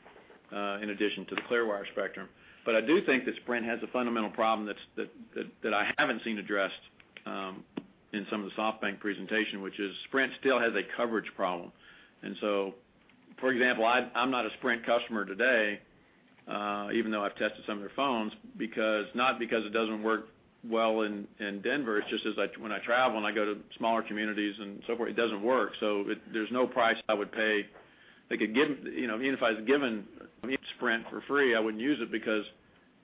in addition to the Clearwire spectrum. I do think that Sprint has a fundamental problem that I haven't seen addressed in some of the SoftBank presentation, which is Sprint still has a coverage problem. For example, I'm not a Sprint customer today even though I've tested some of their phones because, not because it doesn't work well in Denver, it's just when I travel and I go to smaller communities and so forth, it doesn't work. There's no price I would pay that could give, you know, even if I was given Sprint for free, I wouldn't use it because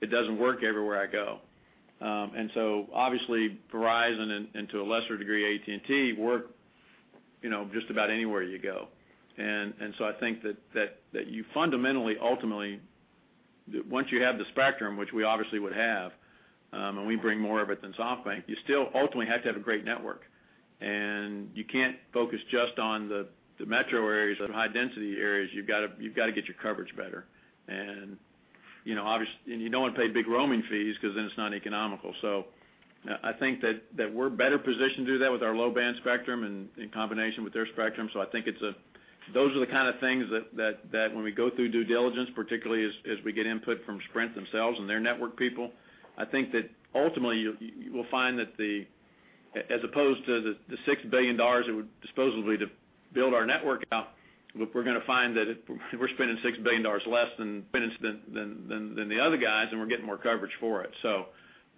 it doesn't work everywhere I go. Obviously Verizon and to a lesser degree, AT&T work, you know, just about anywhere you go. I think that you fundamentally, ultimately, once you have the spectrum, which we obviously would have, and we bring more of it than SoftBank, you still ultimately have to have a great network. You can't focus just on the metro areas or the high density areas. You've gotta get your coverage better. You know, and you don't wanna pay big roaming fees because then it's not economical. I think that we're better positioned to do that with our low-band spectrum and in combination with their spectrum. I think it's those are the kind of things that when we go through due diligence, particularly as we get input from Sprint themselves and their network people, I think that ultimately you'll, you will find that as opposed to the $6 billion that would supposedly to build our network out, we're gonna find that we're spending $6 billion less than the other guys, and we're getting more coverage for it.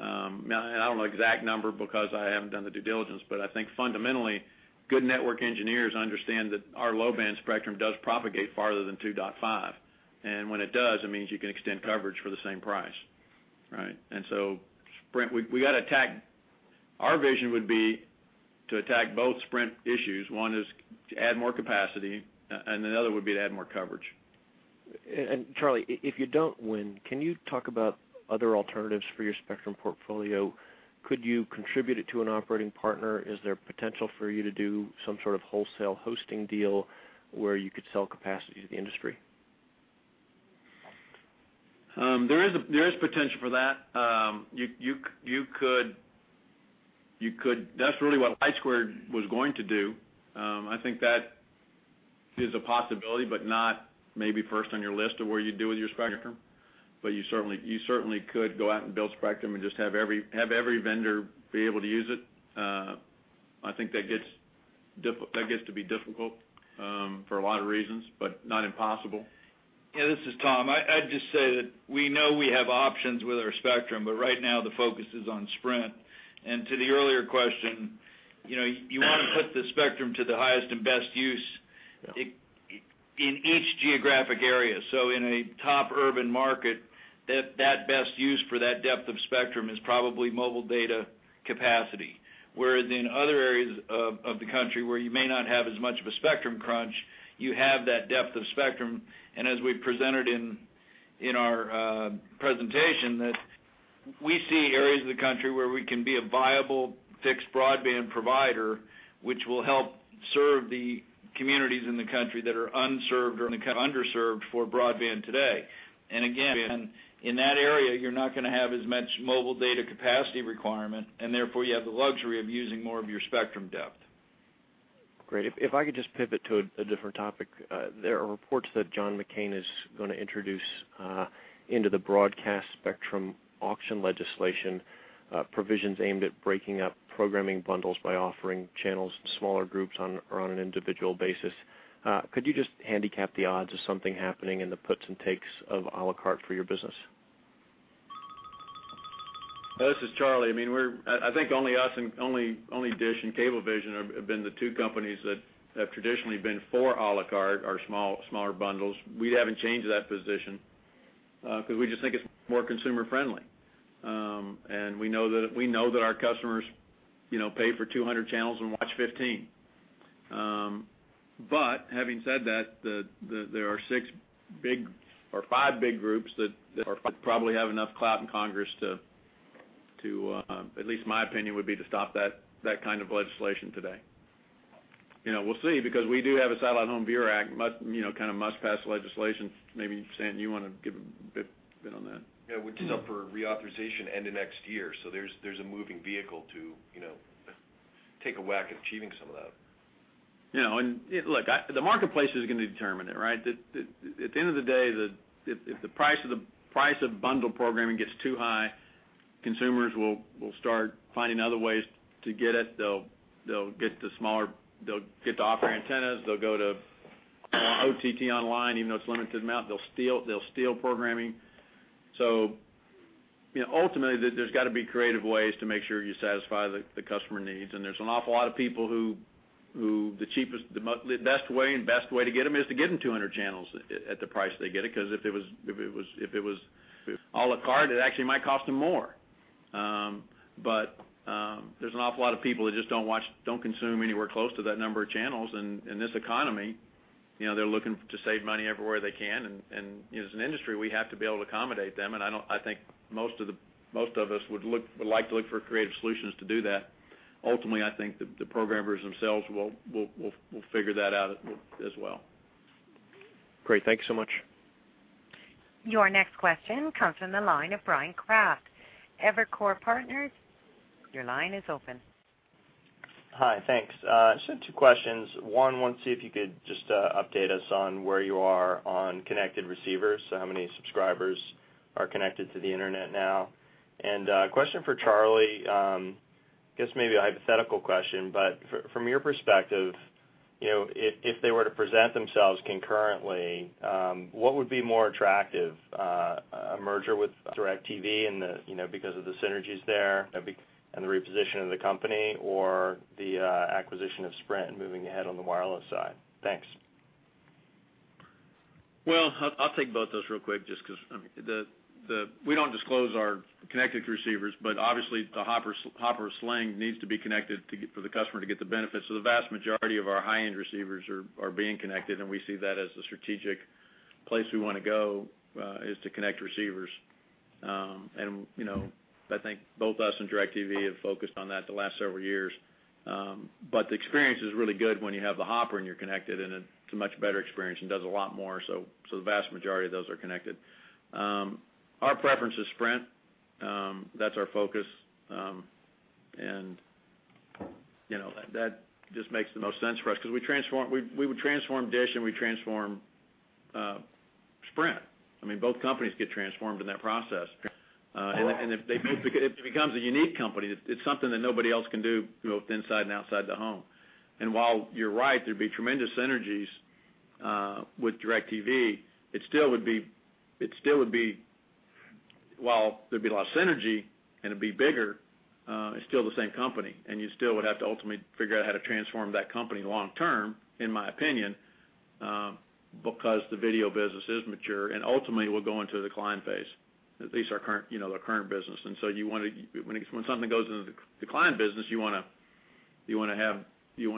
Now I don't know the exact number because I haven't done the due diligence, but I think fundamentally, good network engineers understand that our low-band spectrum does propagate farther than 2.5. When it does, it means you can extend coverage for the same price, right? Sprint, we gotta attack Our vision would be to attack both Sprint issues. One is to add more capacity, and another would be to add more coverage. Charlie, if you don't win, can you talk about other alternatives for your spectrum portfolio? Could you contribute it to an operating partner? Is there potential for you to do some sort of wholesale hosting deal where you could sell capacity to the industry? There is potential for that. You could That's really what LightSquared was going to do. I think that is a possibility, but not maybe first on your list of where you're deal with your spectrum. You certainly, you certainly could go out and build spectrum and just have every vendor be able to use it. I think that gets to be difficult, for a lot of reasons, but not impossible. Yeah, this is Tom. I'd just say that we know we have options with our spectrum, but right now the focus is on Sprint. To the earlier question, you know, you wanna put the spectrum to the highest and best use. Yeah. In each geographic area. In a top urban market, that best use for that depth of spectrum is probably mobile data capacity. Whereas in other areas of the country where you may not have as much of a spectrum crunch, you have that depth of spectrum. As we presented in our presentation that we see areas of the country where we can be a viable fixed broadband provider, which will help serve the communities in the country that are unserved or underserved for broadband today. Again, in that area, you're not gonna have as much mobile data capacity requirement, and therefore, you have the luxury of using more of your spectrum depth. Great. If I could just pivot to a different topic. There are reports that John McCain is gonna introduce into the broadcast spectrum auction legislation provisions aimed at breaking up programming bundles by offering channels to smaller groups on an individual basis. Could you just handicap the odds of something happening in the puts and takes of a la carte for your business? This is Charlie. I mean, I think only us and only DISH and Cablevision have been the two companies that have traditionally been for a la carte or smaller bundles. We haven't changed that position, 'cause we just think it's more consumer friendly. We know that our customers, you know, pay for 200 channels and watch 15. Having said that, there are six big or five big groups that probably have enough clout in Congress to, at least my opinion, would be to stop that kind of legislation today. You know, we'll see because we do have a Satellite Home Viewer Act, must-pass legislation. Maybe, Stan, you wanna give a bit on that. Yeah. Which is up for reauthorization end of next year. There's a moving vehicle to, you know, take a whack at achieving some of that. You know, the marketplace is gonna determine it, right? At the end of the day, if the price of bundle programming gets too high, consumers will start finding other ways to get it. They'll get the off-air antennas. They'll go to OTT online even though it's limited amount. They'll steal programming. You know, ultimately, there's gotta be creative ways to make sure you satisfy the customer needs. There's an awful lot of people who the cheapest, the best way to get them is to get them 200 channels at the price they get it, 'cause if it was a la carte, it actually might cost them more. There's an awful lot of people that just don't watch, don't consume anywhere close to that number of channels. In this economy, you know, they're looking to save money everywhere they can. As an industry, we have to be able to accommodate them. I think most of us would like to look for creative solutions to do that. Ultimately, I think the programmers themselves will figure that out as well. Great. Thank you so much. Your next question comes from the line of Bryan Kraft, Evercore Partners. Your line is open. Hi. Thanks. Two questions. One, want to see if you could just update us on where you are on connected receivers. How many subscribers are connected to the Internet now? Question for Charlie, I guess maybe a hypothetical question, but from your perspective, you know, if they were to present themselves concurrently, what would be more attractive, a merger with DirecTV and the, you know, because of the synergies there and the reposition of the company or the acquisition of Sprint and moving ahead on the wireless side? Thanks. I'll take both those real quick just 'cause the We don't disclose our connected receivers, but obviously, the Hopper Sling needs to be connected for the customer to get the benefits. The vast majority of our high-end receivers are being connected, and we see that as the strategic place we wanna go, is to connect receivers. You know, I think both us and DirecTV have focused on that the last several years. The experience is really good when you have the Hopper and you're connected, and it's a much better experience and does a lot more. The vast majority of those are connected. Our preference is Sprint. That's our focus. You know, that just makes the most sense for us 'cause we would transform DISH and we transform Sprint. I mean, both companies get transformed in that process. If it becomes a unique company. It's something that nobody else can do both inside and outside the home. While you're right, there'd be tremendous synergies with DirecTV, it still would be. While there'd be a lot of synergy and it'd be bigger, it's still the same company. You still would have to ultimately figure out how to transform that company long term, in my opinion, because the video business is mature and ultimately will go into the decline phase, at least our current, you know, the current business. When something goes into the decline business, you wanna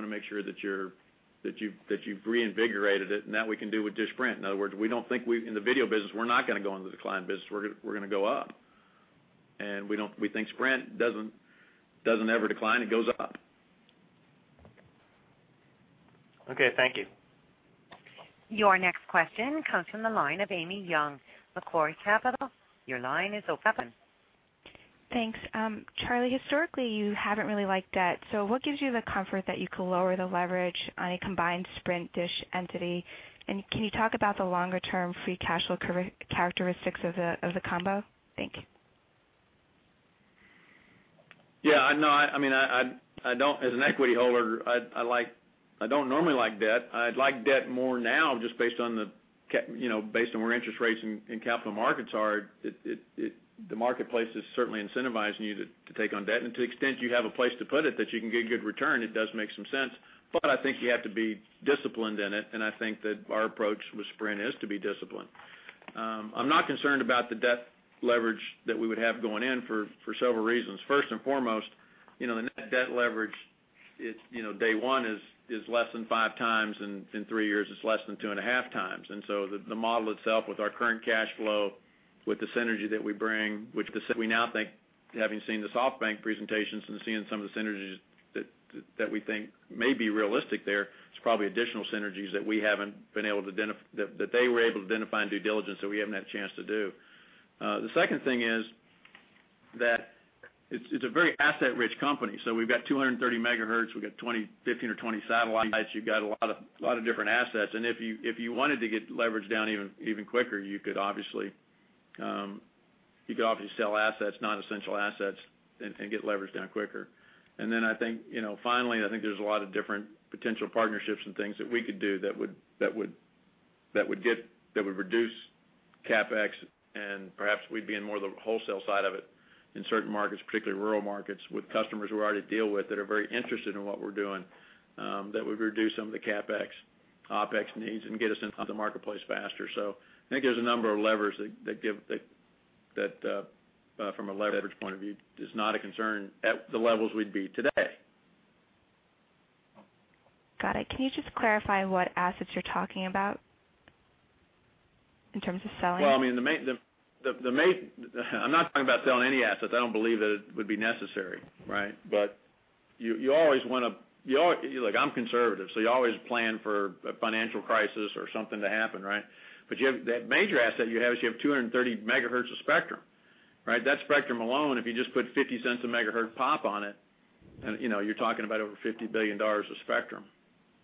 make sure that you've reinvigorated it, and that we can do with DISH Sprint. In other words, we don't think in the video business, we're not gonna go into the decline business. We're gonna go up. We think Sprint doesn't ever decline. It goes up. Okay. Thank you. Your next question comes from the line of Amy Yong, Macquarie Capital. Your line is open. Thanks. Charlie, historically, you haven't really liked debt. What gives you the comfort that you can lower the leverage on a combined Sprint DISH entity? Can you talk about the longer term free cash flow characteristics of the combo? Thank you. Yeah. No, I mean, I don't, as an equity holder, I don't normally like debt. I like debt more now just based on the you know, based on where interest rates and capital markets are. The marketplace is certainly incentivizing you to take on debt. To the extent you have a place to put it that you can get good return, it does make some sense. I think you have to be disciplined in it, and I think that our approach with Sprint is to be disciplined. I'm not concerned about the debt leverage that we would have going in for several reasons. First and foremost, you know, the net debt leverage is day one is less than 5x, in three years, it's less than 2.5x. The model itself with our current cash flow, with the synergy that we bring, which we now think, having seen the SoftBank presentations and seeing some of the synergies that we think may be realistic there, it's probably additional synergies that we haven't been able to identify in due diligence that we haven't had a chance to do. The second thing is that it's a very asset-rich company. We've got 230MHz. We've got 15 or 20 satellites. You've got a lot of different assets. If you wanted to get leverage down even quicker, you could obviously sell assets, non-essential assets and get leverage down quicker. Then I think, you know, finally, I think there's a lot of different potential partnerships and things that we could do that would reduce CapEx and perhaps we'd be in more of the wholesale side of it in certain markets, particularly rural markets, with customers we already deal with that are very interested in what we're doing, that would reduce some of the CapEx, OpEx needs and get us into the marketplace faster. I think there's a number of levers that give, that from a leverage point of view is not a concern at the levels we'd be today. Got it. Can you just clarify what assets you're talking about in terms of selling? Well, I mean I'm not talking about selling any assets. I don't believe that it would be necessary, right? Look, I'm conservative, so you always plan for a financial crisis or something to happen, right? The major asset you have is you have 230MHz of spectrum, right? That spectrum alone, if you just put $0.50 a megahertz pop on it, and, you know, you're talking about over $50 billion of spectrum,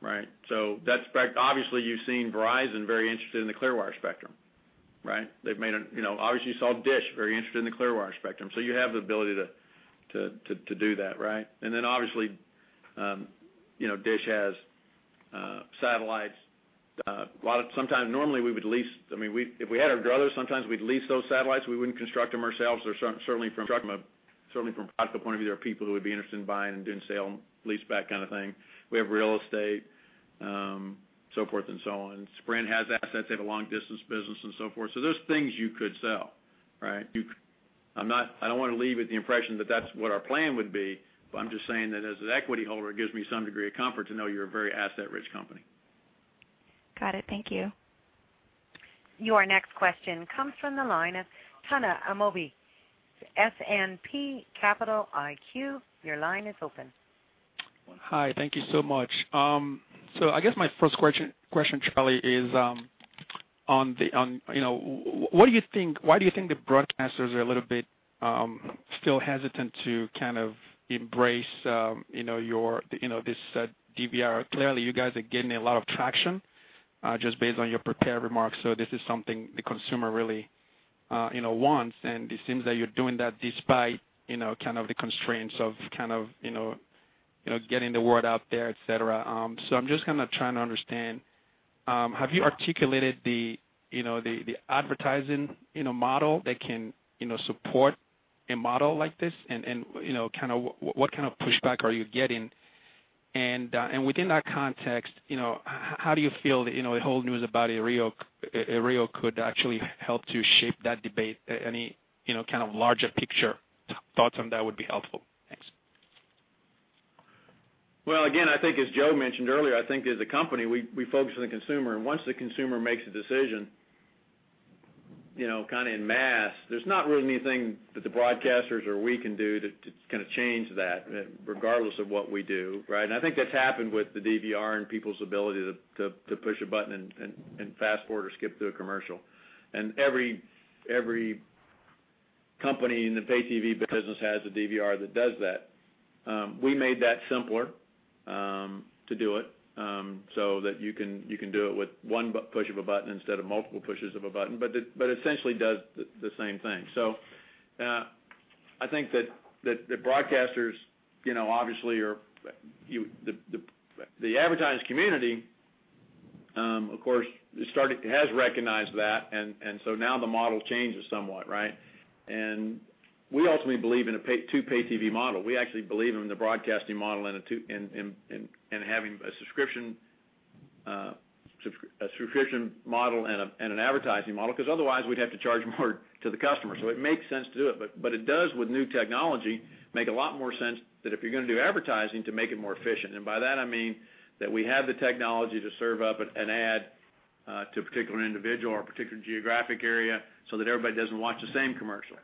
right? That spectrum, obviously, you've seen Verizon very interested in the Clearwire spectrum, right? Obviously, you saw DISH very interested in the Clearwire spectrum. You have the ability to do that, right? Obviously, you know, DISH has satellites. A lot of Sometimes normally we would lease, I mean if we had our druthers, sometimes we'd lease those satellites, we wouldn't construct them ourselves or certainly from a product point of view, there are people who would be interested in buying and doing sale and lease back kind of thing. We have real estate, so forth and so on. Sprint has assets. They have a long-distance business and so forth. There's things you could sell, right? I don't wanna leave with the impression that that's what our plan would be, but I'm just saying that as an equity holder, it gives me some degree of comfort to know you're a very asset-rich company. Got it. Thank you. Your next question comes from the line of Tuna Amobi, S&P Capital IQ. Your line is open. Hi, thank you so much. I guess my first question, Charlie, is on the, you know, what do you think, why do you think the broadcasters are a little bit still hesitant to kind of embrace, you know, your, you know, this DVR? Clearly, you guys are gaining a lot of traction just based on your prepared remarks, this is something the consumer really, you know, wants and it seems that you're doing that despite, you know, kind of the constraints of kind of, you know, getting the word out there, et cetera. I'm just kinda trying to understand, have you articulated the, you know, the advertising, you know, model that can, you know, support a model like this? You know, kind of what kind of pushback are you getting? Within that context, you know, how do you feel that, you know, the whole news about Aereo could actually help to shape that debate? Any, you know, kind of larger picture thoughts on that would be helpful. Thanks. Again, I think as Joe mentioned earlier, I think as a company, we focus on the consumer, and once the consumer makes a decision, you know, kind of en masse, there's not really anything that the broadcasters or we can do to kind of change that, regardless of what we do, right? I think that's happened with the DVR and people's ability to push a button and fast forward or skip through a commercial. Every company in the pay TV business has a DVR that does that. We made that simpler to do it so that you can do it with one push of a button instead of multiple pushes of a button. It essentially does the same thing. I think that the broadcasters, you know, obviously the advertising community, of course, has recognized that and so now the model changes somewhat, right? We ultimately believe in a pay TV model. We actually believe in the broadcasting model and having a subscription model and an advertising model, 'cause otherwise we'd have to charge more to the customer. It makes sense to do it. It does with new technology, make a lot more sense that if you're gonna do advertising to make it more efficient. By that I mean that we have the technology to serve up an ad to a particular individual or a particular geographic area so that everybody doesn't watch the same commercial.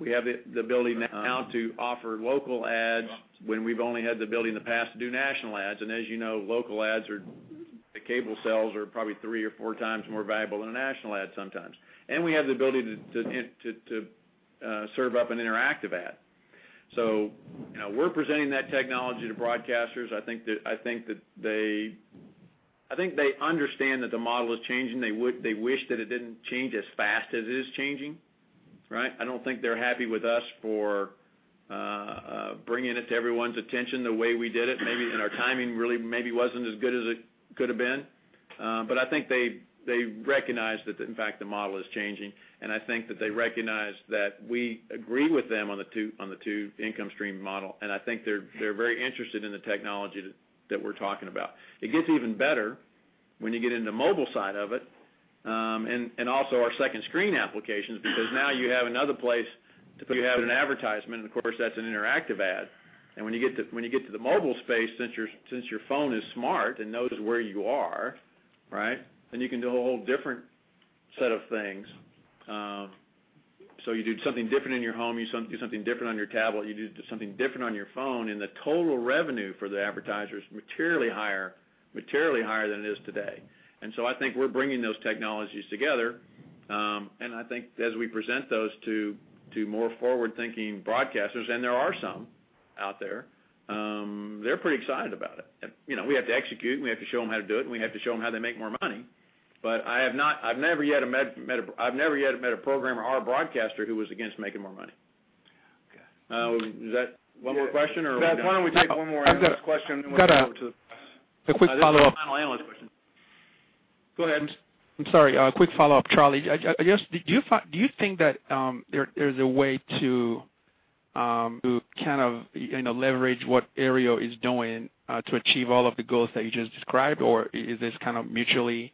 We have it, the ability now to offer local ads when we've only had the ability in the past to do national ads. As you know, local ads are the cable sales are probably three or four times more valuable than a national ad sometimes. We have the ability to serve up an interactive ad. You know, we're presenting that technology to broadcasters. I think they understand that the model is changing. They wish that it didn't change as fast as it is changing, right? I don't think they're happy with us for bringing it to everyone's attention the way we did it. Maybe, our timing really maybe wasn't as good as it could have been. I think they recognize that in fact the model is changing. I think that they recognize that we agree with them on the two, on the two income stream model. I think they're very interested in the technology that we're talking about. It gets even better when you get into mobile side of it. Also our second screen applications, because now you have another place to put out an advertisement, and of course that's an interactive ad. When you get to the mobile space, since your phone is smart and knows where you are, right? You can do a whole different set of things. You do something different in your home, you do something different on your tablet, you do something different on your phone, and the total revenue for the advertisers materially higher than it is today. I think we're bringing those technologies together. I think as we present those to more forward-thinking broadcasters, and there are some out there, they're pretty excited about it. You know, we have to execute, and we have to show them how to do it, and we have to show them how they make more money. I've never yet met a programmer or a broadcaster who was against making more money. Okay. Is that one more question? Yeah. Brad, why don't we take one more last question, and then we'll get over to- I've got a quick follow-up. This is the final analyst question. Go ahead. I'm sorry. A quick follow-up, Charlie. I just Do you think that there's a way to kind of, you know, leverage what Aereo is doing to achieve all of the goals that you just described, or is this kind of mutually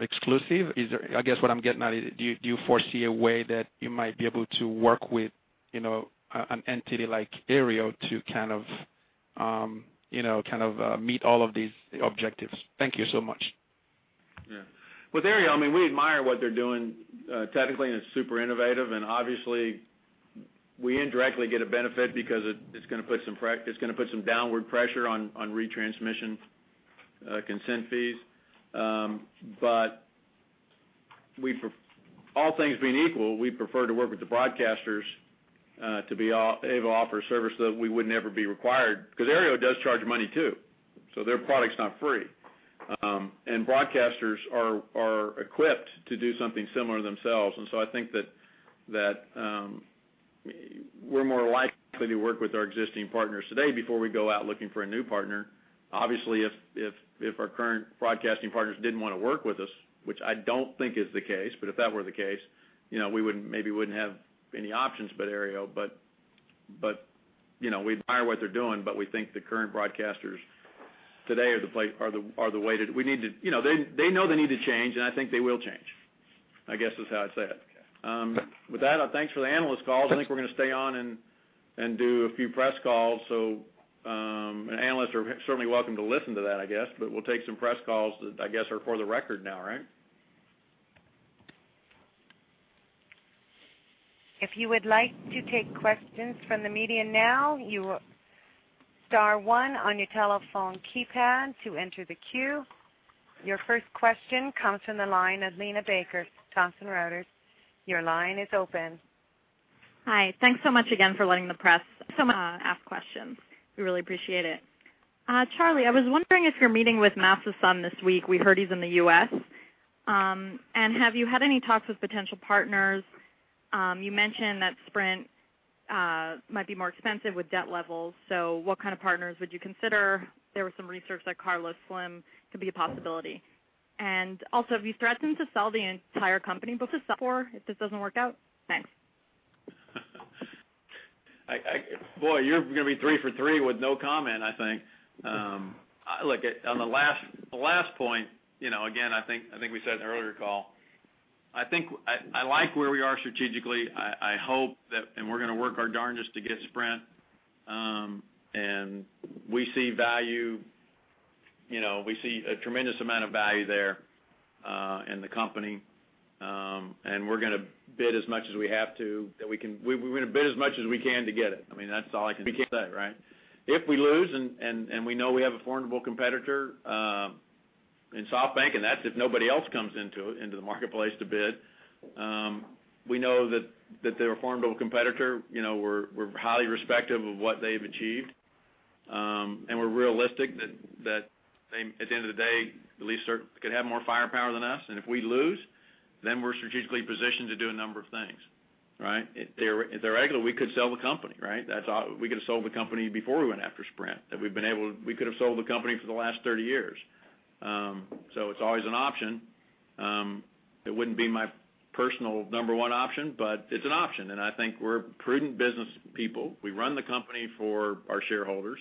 exclusive? Is there I guess what I'm getting at is do you foresee a way that you might be able to work with, you know, an entity like Aereo to kind of, you know, kind of, meet all of these objectives? Thank you so much. Yeah. With Aereo, I mean, we admire what they're doing technically, and it's super innovative, and obviously we indirectly get a benefit because it's gonna put some downward pressure on retransmission consent fees. All things being equal, we prefer to work with the broadcasters to be able to offer a service that we would never be required, because Aereo does charge money too, so their product's not free. Broadcasters are equipped to do something similar themselves. I think that we're more likely to work with our existing partners today before we go out looking for a new partner. Obviously, if our current broadcasting partners didn't wanna work with us, which I don't think is the case, but if that were the case, you know, we wouldn't have any options but Aereo. You know, we admire what they're doing, but we think the current broadcasters today are the way to. You know, they know they need to change, and I think they will change, I guess is how I'd say it. With that, thanks for the analyst calls. I think we're gonna stay on and do a few press calls. Analysts are certainly welcome to listen to that, I guess, but we'll take some press calls that I guess are for the record now, right? Your first question comes from the line of Liana Baker, Thomson Reuters. Your line is open. Hi. Thanks so much again for letting the press so much ask questions. We really appreciate it. Charlie, I was wondering if you're meeting with Masayoshi Son this week. We heard he's in the U.S. Have you had any talks with potential partners? You mentioned that Sprint might be more expensive with debt levels, so what kind of partners would you consider? There was some research that Carlos Slim could be a possibility. Also, have you threatened to sell the entire company, but to sell for if this doesn't work out? Thanks. Boy, you're gonna be three for three with no comment, I think. Look, on the last point, you know, again, I think we said in an earlier call, I think I like where we are strategically. I hope that, and we're gonna work our darndest to get Sprint. We see value, you know, we see a tremendous amount of value there in the company. We're gonna bid as much as we have to, we're gonna bid as much as we can to get it. I mean, that's all I can say, right? If we lose and we know we have a formidable competitor in SoftBank, and that's if nobody else comes into it, into the marketplace to bid, we know that they're a formidable competitor. You know, we're highly respective of what they've achieved. We're realistic that they, at the end of the day, at least they could have more firepower than us. If we lose, then we're strategically positioned to do a number of things, right? If they're able, we could sell the company, right? That's all. We could have sold the company before we went after Sprint, we could have sold the company for the last 30 years. It's always an option. It wouldn't be my personal number one option, but it's an option, and I think we're prudent business people. We run the company for our shareholders.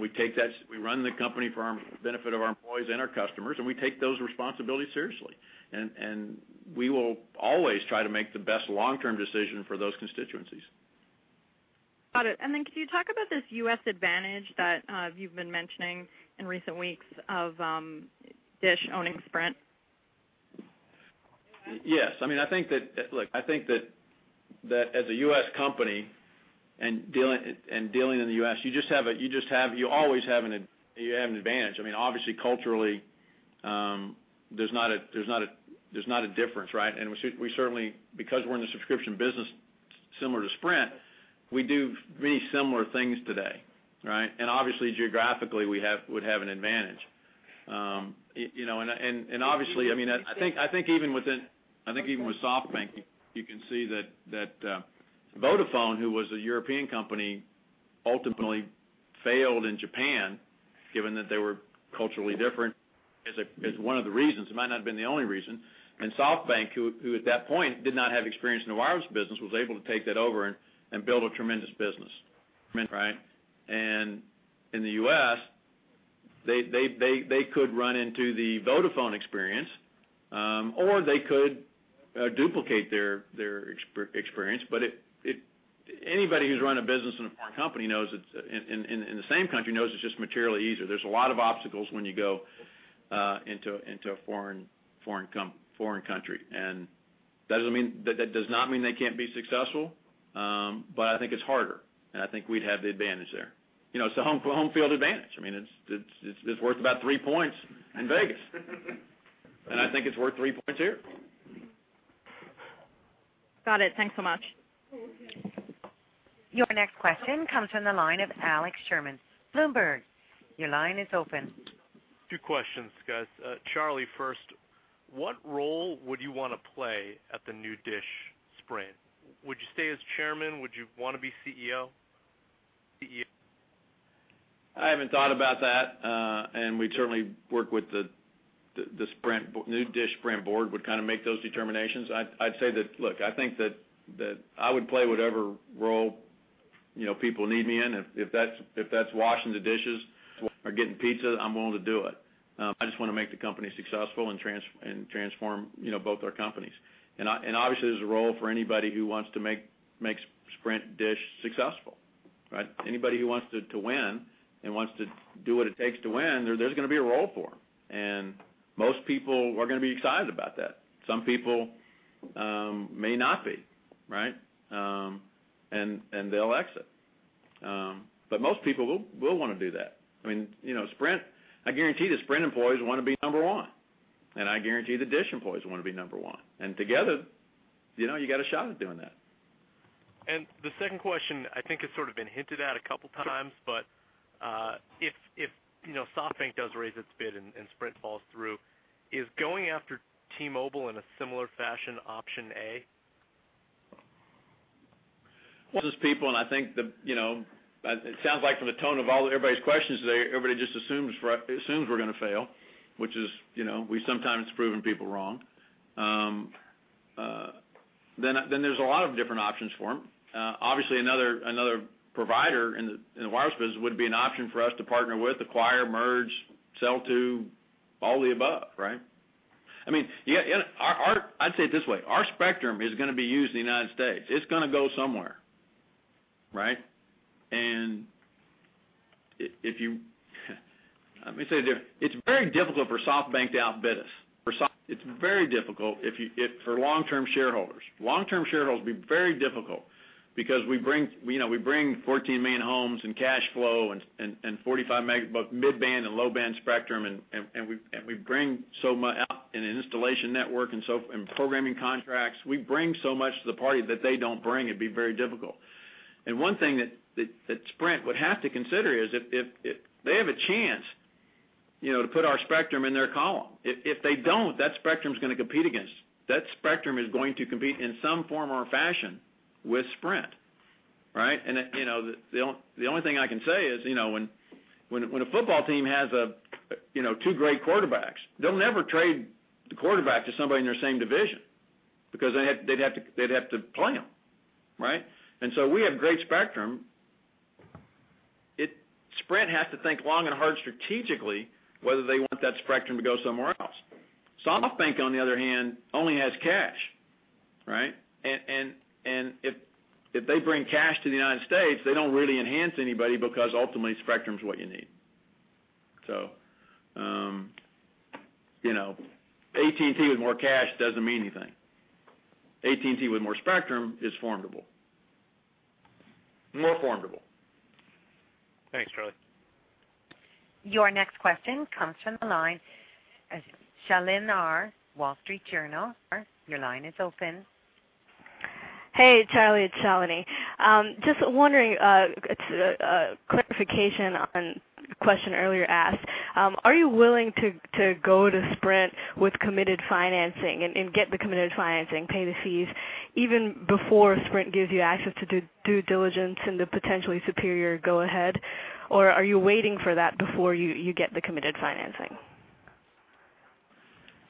We take that, we run the company for our benefit of our employees and our customers, and we take those responsibilities seriously. We will always try to make the best long-term decision for those constituencies. Got it. Could you talk about this U.S. advantage that you've been mentioning in recent weeks of DISH owning Sprint? Yes. I mean, as a U.S. company and dealing in the U.S., you always have an advantage. I mean, obviously culturally, there's not a difference, right? We certainly, because we're in the subscription business similar to Sprint, we do many similar things today, right? Obviously geographically, we would have an advantage. You know, and obviously, I think even with SoftBank, you can see that Vodafone, who was a European company, ultimately failed in Japan, given that they were culturally different, is one of the reasons. It might not have been the only reason. SoftBank, who at that point did not have experience in the wireless business, was able to take that over and build a tremendous business, right? In the U.S., they could run into the Vodafone experience, or they could duplicate their experience. Anybody who's run a business in a foreign company knows it's in the same country, knows it's just materially easier. There's a lot of obstacles when you go into a foreign country. That does not mean they can't be successful, but I think it's harder, and I think we'd have the advantage there. You know, it's a home field advantage. I mean, it's worth about 3 points in Vegas. I think it's worth 3 points here. Got it. Thanks so much. Your next question comes from the line of Alex Sherman, Bloomberg. Your line is open. Two questions, guys. Charlie, first, what role would you wanna play at the new DISH Sprint? Would you stay as chairman? Would you wanna be CEO? I haven't thought about that. We'd certainly work with the new DISH/Sprint board would kinda make those determinations. I'd say that look, I think that I would play whatever role, you know, people need me in. If that's washing the dishes or getting pizza, I'm willing to do it. I just wanna make the company successful and transform, you know, both our companies. Obviously, there's a role for anybody who wants to make Sprint/DISH successful, right? Anybody who wants to win and wants to do what it takes to win, there's gonna be a role for 'em. Most people are gonna be excited about that. Some people may not be, right? They'll exit. Most people will wanna do that. I mean, you know, Sprint, I guarantee the Sprint employees wanna be number one, and I guarantee the DISH employees wanna be number one. Together, you know, you got a shot at doing that. The second question I think has sort of been hinted at a couple times, but, if, you know, SoftBank does raise its bid and Sprint falls through, is going after T-Mobile in a similar fashion option A? Well, there's people, and I think the, you know, it sounds like from the tone of all, everybody's questions today, everybody just assumes we're gonna fail, which is, you know, we've sometimes proven people wrong. Then there's a lot of different options for 'em. Obviously another provider in the wireless business would be an option for us to partner with, acquire, merge, sell to, all the above, right? I mean, yeah, I'd say it this way, our spectrum is gonna be used in the United States. It's gonna go somewhere, right? If you let me say it's very difficult for SoftBank to outbid us. For SoftBank, it's very difficult if for long-term shareholders. Long-term shareholders it'd be very difficult because we bring, you know, we bring 14 million homes and cash flow and 45MHz both mid-band and low-band spectrum, and we bring so much out in an installation network and programming contracts. We bring so much to the party that they don't bring. It'd be very difficult. One thing that Sprint would have to consider is if they have a chance, you know, to put our spectrum in their column. If they don't, that spectrum's gonna compete against us. That spectrum is going to compete in some form or fashion with Sprint, right? You know, the only thing I can say is, you know, when a football team has a, you know, two great quarterbacks, they'll never trade the quarterback to somebody in their same division because they'd have to play 'em, right? Sprint has to think long and hard strategically whether they want that spectrum to go somewhere else. SoftBank, on the other hand, only has cash, right? If they bring cash to the U.S., they don't really enhance anybody because ultimately spectrum's what you need. You know, AT&T with more cash doesn't mean anything. AT&T with more spectrum is formidable. More formidable. Thanks, Charlie. Your next question comes from the line of Shalini Ramachandran, Wall Street Journal. Ramachandran, your line is open. Hey, Charlie, it's Shalini. Just wondering, it's a clarification on a question earlier asked. Are you willing to go to Sprint with committed financing and get the committed financing, pay the fees, even before Sprint gives you access to due diligence and the potentially superior go-ahead, or are you waiting for that before you get the committed financing?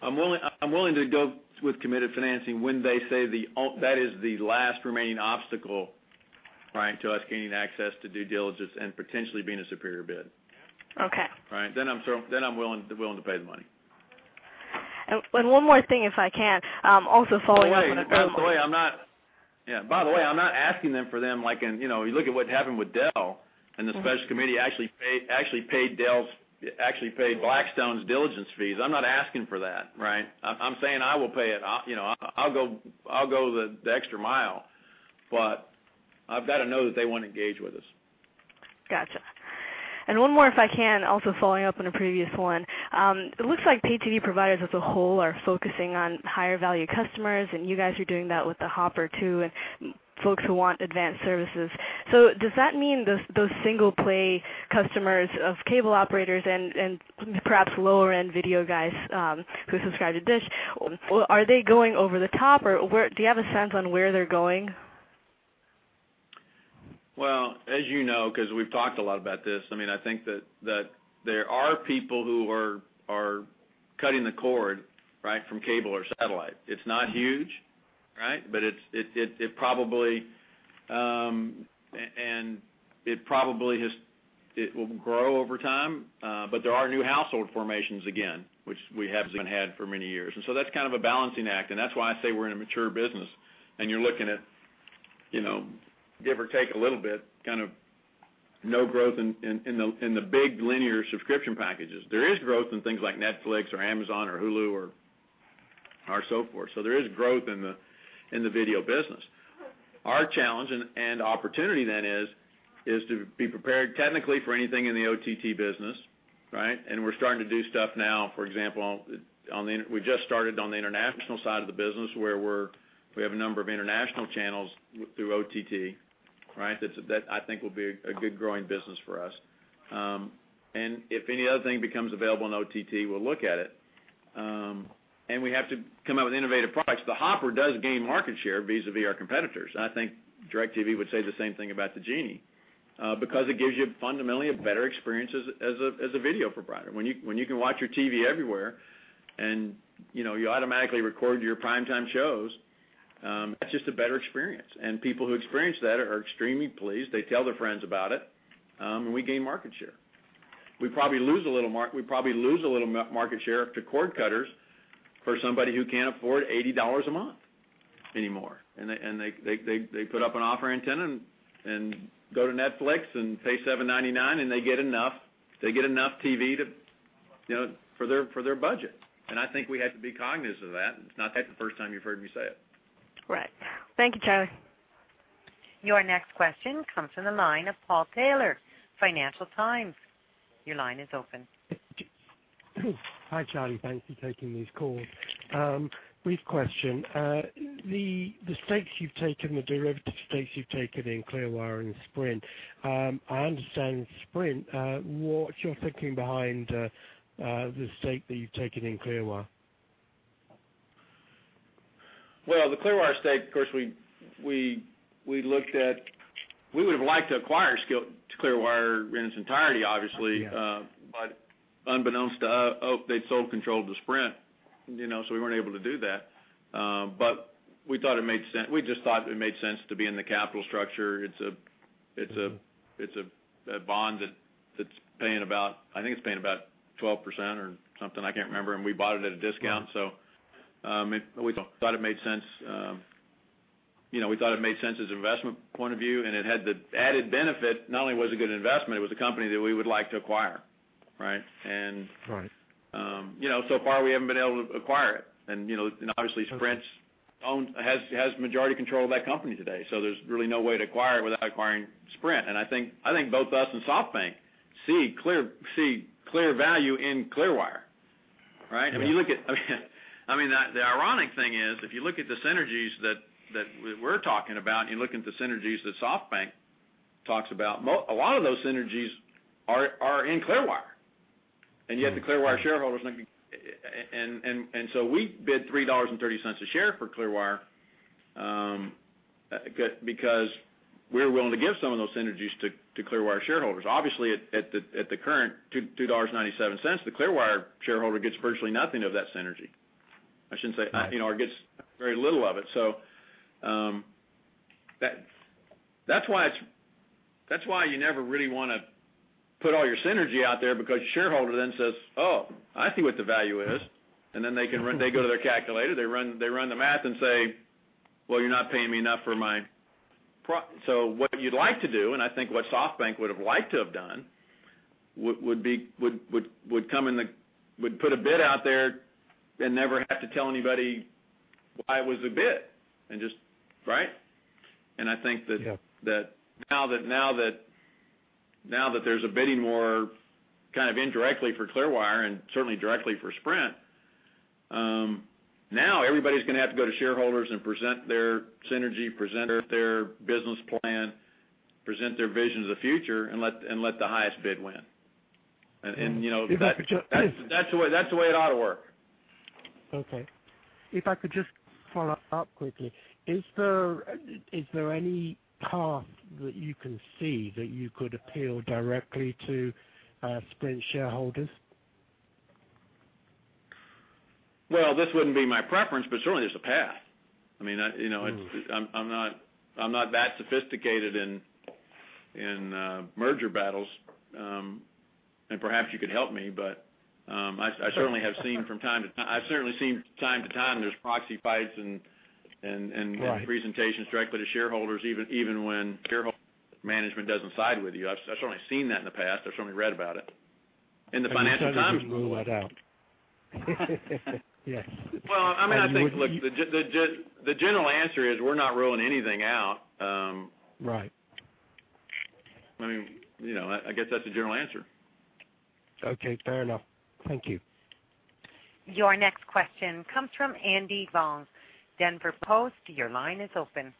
I'm willing to go with committed financing when they say that is the last remaining obstacle, right, to us gaining access to due diligence and potentially being a superior bid. Okay. Right? I'm willing to pay the money. One more thing if I can. By the way, I'm not asking them for them like in, you know, you look at what happened with Dell, and the special committee actually paid Blackstone's diligence fees. I'm not asking for that, right? I'm saying I will pay it. I'll, you know, I'll go the extra mile, but I've gotta know that they wanna engage with us. Gotcha. One more if I can, also following up on a previous one. It looks like pay TV providers as a whole are focusing on higher value customers, and you guys are doing that with the Hopper 2 and folks who want advanced services. Does that mean those single play customers of cable operators and perhaps lower end video guys, who subscribe to DISH, are they going over the top or where do you have a sense on where they're going? Well, as you know, 'cause we've talked a lot about this, I mean, I think that there are people who are cutting the cord, right, from cable or Satellite. It's not huge, right? It's probably, and it will grow over time. There are new household formations again, which we haven't had for many years. That's kind of a balancing act, and that's why I say we're in a mature business, and you're looking at, you know, give or take a little bit, kind of no growth in the big linear subscription packages. There is growth in things like Netflix or Amazon or Hulu or so forth. There is growth in the video business. Our challenge and opportunity then is to be prepared technically for anything in the OTT business, right? We're starting to do stuff now. For example, on the international side of the business where we have a number of international channels through OTT, right? That I think will be a good growing business for us. If any other thing becomes available in OTT, we'll look at it. We have to come out with innovative products. The Hopper does gain market share vis-a-vis our competitors. I think DirecTV would say the same thing about the Genie because it gives you fundamentally a better experience as a video provider. When you can watch your TV everywhere and, you know, you automatically record your primetime shows, that's just a better experience. People who experience that are extremely pleased. They tell their friends about it, we gain market share. We probably lose a little market share to cord cutters for somebody who can't afford $80 a month anymore, and they put up an off-air antenna, go to Netflix and pay $7.99, and they get enough TV to, you know, for their budget. I think we have to be cognizant of that. It's not the first time you've heard me say it. Right. Thank you, Charlie. Your next question comes from the line of Paul Taylor, Financial Times. Your line is open. Hi, Charlie. Thanks for taking these calls. Brief question. The stakes you've taken, the derivative stakes you've taken in Clearwire and Sprint, I understand Sprint. What you're thinking behind the stake that you've taken in Clearwire? Well, the Clearwire stake, of course, we looked at we would have liked to acquire Clearwire in its entirety, obviously. Yes. Unbeknownst to us, they'd sold control to Sprint, you know, we weren't able to do that. We just thought it made sense to be in the capital structure. It's a bond that's paying about, I think it's paying about 12% or something, I can't remember. We bought it at a discount. Right. We thought it made sense, you know, we thought it made sense as investment point of view, and it had the added benefit, not only was it a good investment, it was a company that we would like to acquire, right? Right. You know, so far, we haven't been able to acquire it. Obviously Sprint has majority control of that company today. There's really no way to acquire it without acquiring Sprint. I think both us and SoftBank see clear value in Clearwire, right? Yeah. You look at the ironic thing is, if you look at the synergies that we're talking about, you look at the synergies that SoftBank talks about, a lot of those synergies are in Clearwire. We bid $3.30 a share for Clearwire, because we're willing to give some of those synergies to Clearwire shareholders. Obviously, at the current $2.97, the Clearwire shareholder gets virtually nothing of that synergy. I shouldn't say, you know, or gets very little of it. That's why you never really wanna put all your synergy out there because shareholder then says, "Oh, I see what the value is." They go to their calculator, they run the math and say, "Well, you're not paying me enough." What you'd like to do, and I think what SoftBank would have liked to have done, would be, would put a bid out there and never have to tell anybody why it was a bid and just. Right? Yeah. Now that there's a bidding war kind of indirectly for Clearwire and certainly directly for Sprint, now everybody's gonna have to go to shareholders and present their synergy, present their business plan, present their vision of the future and let the highest bid win. You know, that's the way it ought to work. Okay. If I could just follow up quickly. Is there any path that you can see that you could appeal directly to Sprint shareholders? Well, this wouldn't be my preference, certainly there's a path. I mean, you know, I'm not that sophisticated in merger battles, perhaps you could help me. I certainly have seen from time to time there's proxy fights. Right. Presentations directly to shareholders, even when shareholder management doesn't side with you. I've certainly seen that in the past. I've certainly read about it in the Financial Times. You certainly wouldn't rule that out. Yes. Well, I mean, I think, look, the general answer is we're not ruling anything out. Right. I mean, you know, I guess that's the general answer. Okay, fair enough. Thank you. Your next question comes from Andy Vuong, The Denver Post. Your line is open.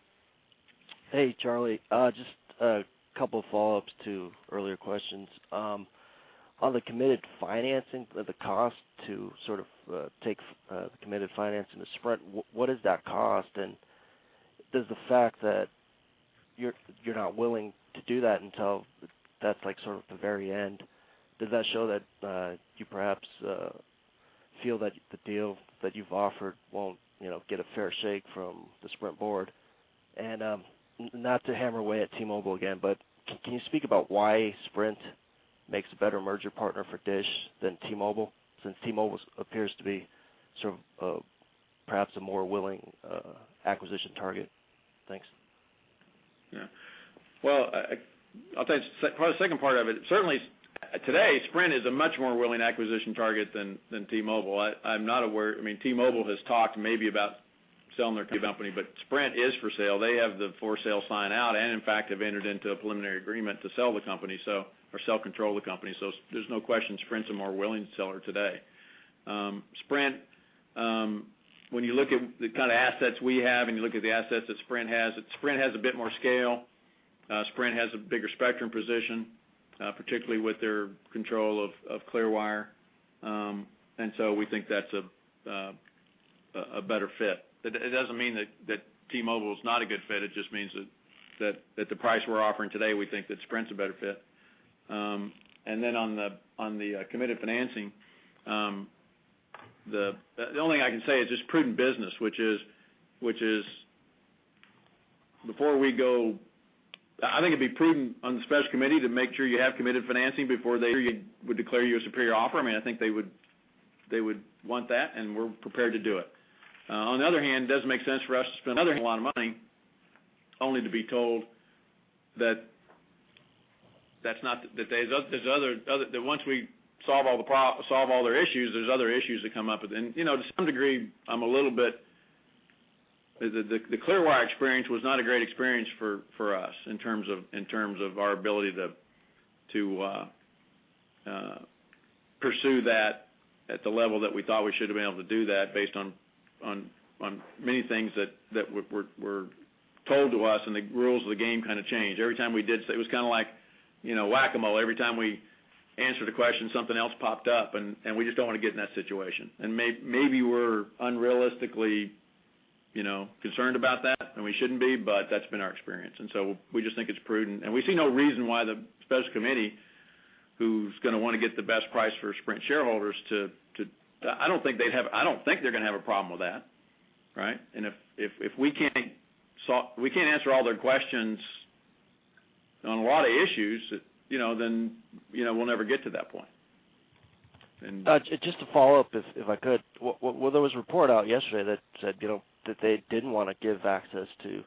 Hey, Charlie. Just a couple follow-ups to earlier questions. On the committed financing, the cost to sort of take the committed financing to Sprint, what does that cost? Does the fact that you're not willing to do that until that's like sort of the very end, does that show that you perhaps feel that the deal that you've offered won't, you know, get a fair shake from the Sprint board? Not to hammer away at T-Mobile again, but can you speak about why Sprint makes a better merger partner for DISH than T-Mobile, since T-Mobile appears to be sort of perhaps a more willing acquisition target? Thanks. Yeah. Well, I'll tell you probably the second part of it. Certainly, today, Sprint is a much more willing acquisition target than T-Mobile. I'm not aware I mean, T-Mobile has talked maybe about selling their company, but Sprint is for sale. They have the for sale sign out and in fact have entered into a preliminary agreement to sell the company, or sell control of the company. There's no question Sprint's a more willing seller today. When you look at the kind of assets we have and you look at the assets that Sprint has, that Sprint has a bit more scale. Sprint has a bigger spectrum position, particularly with their control of Clearwire. We think that's a, a better fit. It doesn't mean that T-Mobile is not a good fit, it just means that the price we're offering today, we think that Sprint's a better fit. Then on the committed financing, the only thing I can say is just prudent business, which is before we go I think it'd be prudent on the special committee to make sure you have committed financing before they would declare you a superior offer. I mean, I think they would want that, we're prepared to do it. On the other hand, it doesn't make sense for us to spend a lot of money only to be told that there's other That once we solve all the solve all their issues, there's other issues that come up. You know, to some degree, I'm a little bit. The Clearwire experience was not a great experience for us in terms of our ability to pursue that at the level that we thought we should have been able to do that based on many things that were told to us and the rules of the game kind of changed. Every time we did it was kinda like, you know, Whac-A-Mole. Every time we answered a question, something else popped up, and we just don't wanna get in that situation. Maybe we're unrealistically, you know, concerned about that, and we shouldn't be, but that's been our experience. We just think it's prudent. We see no reason why the special committee, who's gonna wanna get the best price for Sprint shareholders, I don't think they're gonna have a problem with that, right? If we can't answer all their questions on a lot of issues, you know, then, you know, we'll never get to that point. Just to follow up, if I could. Well, there was a report out yesterday that said, you know, that they didn't wanna give access to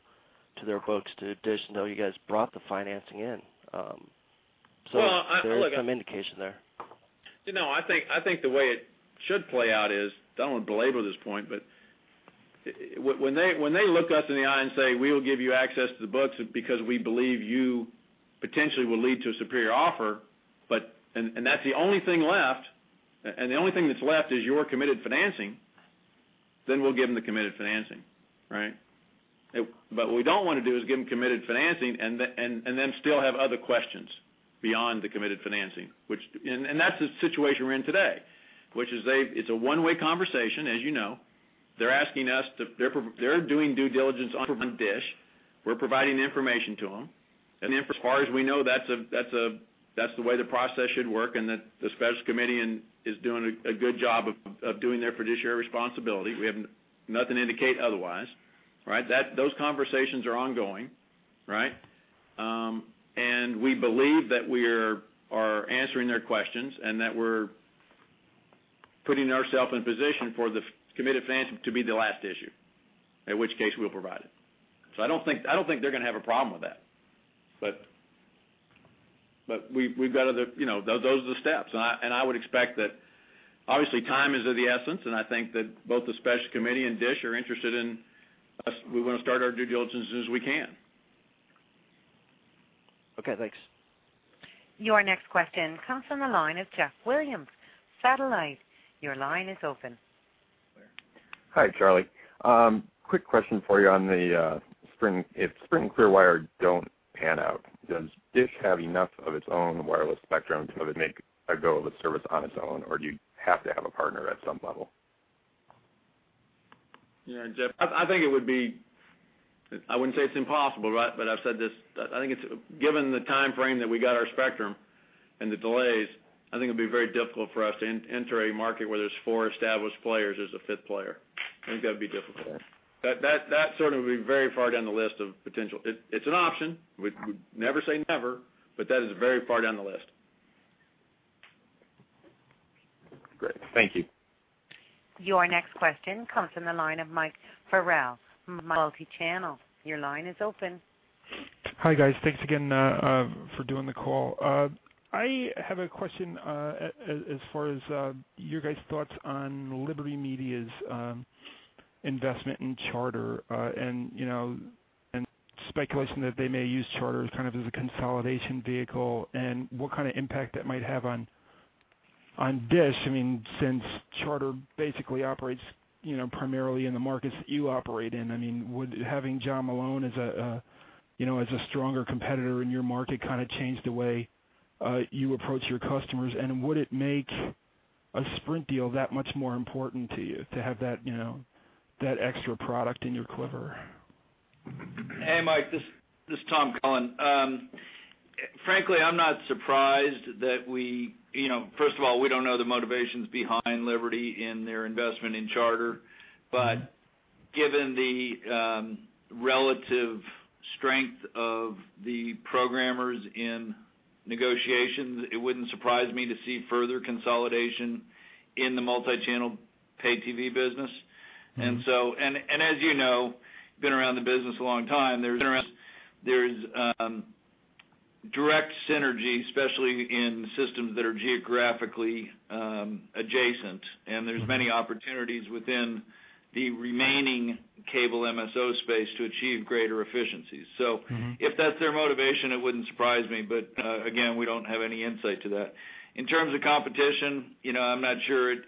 their folks to DISH until you guys brought the financing in. There's some indication there. Well, look. You know, I think the way it should play out is, I don't wanna belabor this point, but when they look us in the eye and say, "We will give you access to the books because we believe you potentially will lead to a superior offer," but that's the only thing left, and the only thing that's left is your committed financing, then we'll give them the committed financing, right? What we don't wanna do is give them committed financing and then still have other questions beyond the committed financing, which that's the situation we're in today, which is It's a one-way conversation, as you know. They're doing due diligence on DISH. We're providing the information to them. As far as we know, that's the way the process should work, and the special committee and is doing a good job of doing their fiduciary responsibility. We have nothing to indicate otherwise, right? Those conversations are ongoing, right? We believe that we are answering their questions and that we're putting ourselves in position for the committed financing to be the last issue, in which case we'll provide it. I don't think they're gonna have a problem with that. We've got other You know, those are the steps. I would expect that obviously time is of the essence, and I think that both the special committee and DISH are interested in us. We wanna start our due diligence as soon as we can. Okay, thanks. Your next question comes from the line of Jeff Wlodarczak, Satellite. Your line is open. Hi, Charlie. Quick question for you on the Sprint. If Sprint and Clearwire don't pan out, does DISH have enough of its own wireless spectrum to make a go of a service on its own, or do you have to have a partner at some level? Yeah, Jeff, I think it would be, I wouldn't say it's impossible, right? I've said this. I think it's given the timeframe that we got our spectrum and the delays, I think it'd be very difficult for us to enter a market where there's four established players as a fifth player. I think that'd be difficult. That sort of would be very far down the list of potential. It's an option. We never say never, that is very far down the list. Great. Thank you. Your next question comes from the line of Mike Farrell from Multichannel. Your line is open. Hi, guys. Thanks again for doing the call. I have a question as far as your guys' thoughts on Liberty Media's investment in Charter, and, you know, and speculation that they may use Charter kind of as a consolidation vehicle, and what kind of impact that might have on DISH. I mean, since Charter basically operates, you know, primarily in the markets that you operate in. I mean, would having John Malone as a, you know, as a stronger competitor in your market kinda change the way you approach your customers? Would it make a Sprint deal that much more important to you to have that, you know, that extra product in your quiver? Hey, Mike. This is Tom Cullen. Frankly, I'm not surprised that we you know, first of all, we don't know the motivations behind Liberty in their investment in Charter. Given the relative strength of the programmers in negotiations, it wouldn't surprise me to see further consolidation in the multi-channel pay TV business. As you know, been around the business a long time, there's direct synergy, especially in systems that are geographically adjacent. There's many opportunities within the remaining cable MSO space to achieve greater efficiencies. If that's their motivation, it wouldn't surprise me, but again, we don't have any insight to that. In terms of competition, you know, I'm not sure it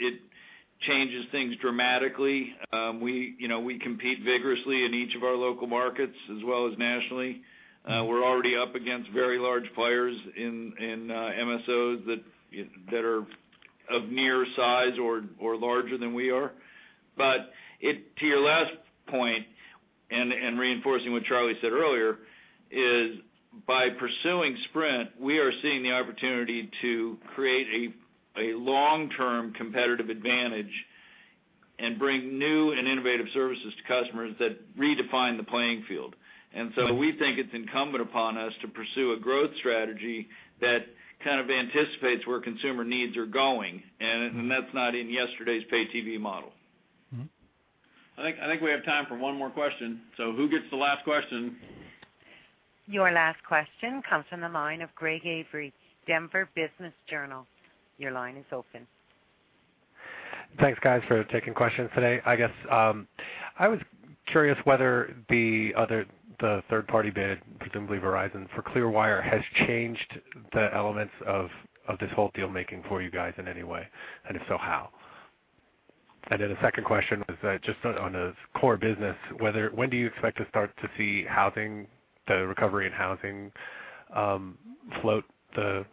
changes things dramatically. We, you know, compete vigorously in each of our local markets as well as nationally. We're already up against very large players in MSOs that are of near size or larger than we are. To your last point, and reinforcing what Charlie said earlier, is by pursuing Sprint, we are seeing the opportunity to create a long-term competitive advantage and bring new and innovative services to customers that redefine the playing field. We think it's incumbent upon us to pursue a growth strategy that kind of anticipates where consumer needs are going. That's not in yesterday's pay TV model. I think we have time for one more question. Who gets the last question? Your last question comes from the line of Greg Avery, Denver Business Journal. Your line is open. Thanks guys for taking questions today. I guess, I was curious whether the other, the third party bid, presumably Verizon, for Clearwire has changed the elements of this whole deal making for you guys in any way, and if so, how? The second question was that just on the core business, when do you expect to start to see housing, the recovery in housing, float the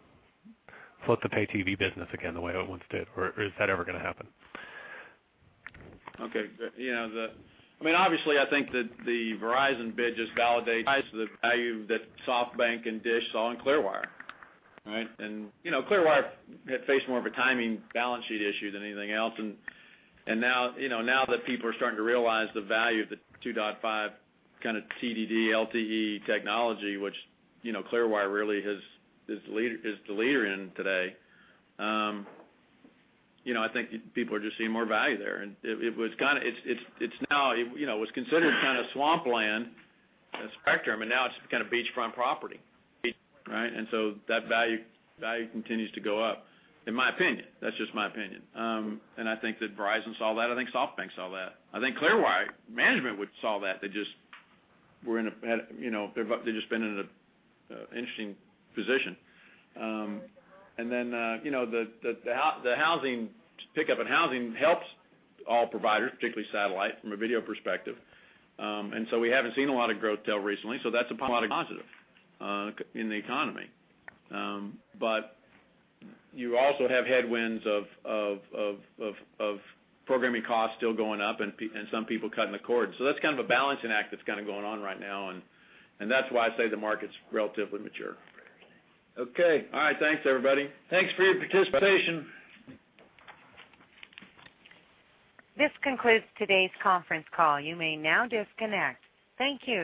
pay TV business again the way it once did? Or is that ever gonna happen? Okay. Yeah, the I mean, obviously, I think that the Verizon bid just validates the value that SoftBank and DISH saw in Clearwire, right? You know, Clearwire had faced more of a timing balance sheet issue than anything else. Now, you know, now that people are starting to realize the value of the 2.5 kinda TDD, LTE technology, which, you know, Clearwire really has, is the leader in today, you know, I think people are just seeing more value there. You know, it was considered kinda swamp land and spectrum, and now it's kind of beachfront property. Right? So that value continues to go up, in my opinion. That's just my opinion. I think that Verizon saw that. I think SoftBank saw that. I think Clearwire management would saw that. They've just been in a, you know, a interesting position. You know, the housing, pickup in housing helps all providers, particularly satellite from a video perspective. We haven't seen a lot of growth till recently, so that's a positive in the economy. You also have headwinds of programming costs still going up and some people cutting the cord. That's kind of a balancing act that's kinda going on right now, and that's why I say the market's relatively mature. Okay. All right. Thanks everybody. Thanks for your participation. This concludes today's conference call. You may now disconnect. Thank you.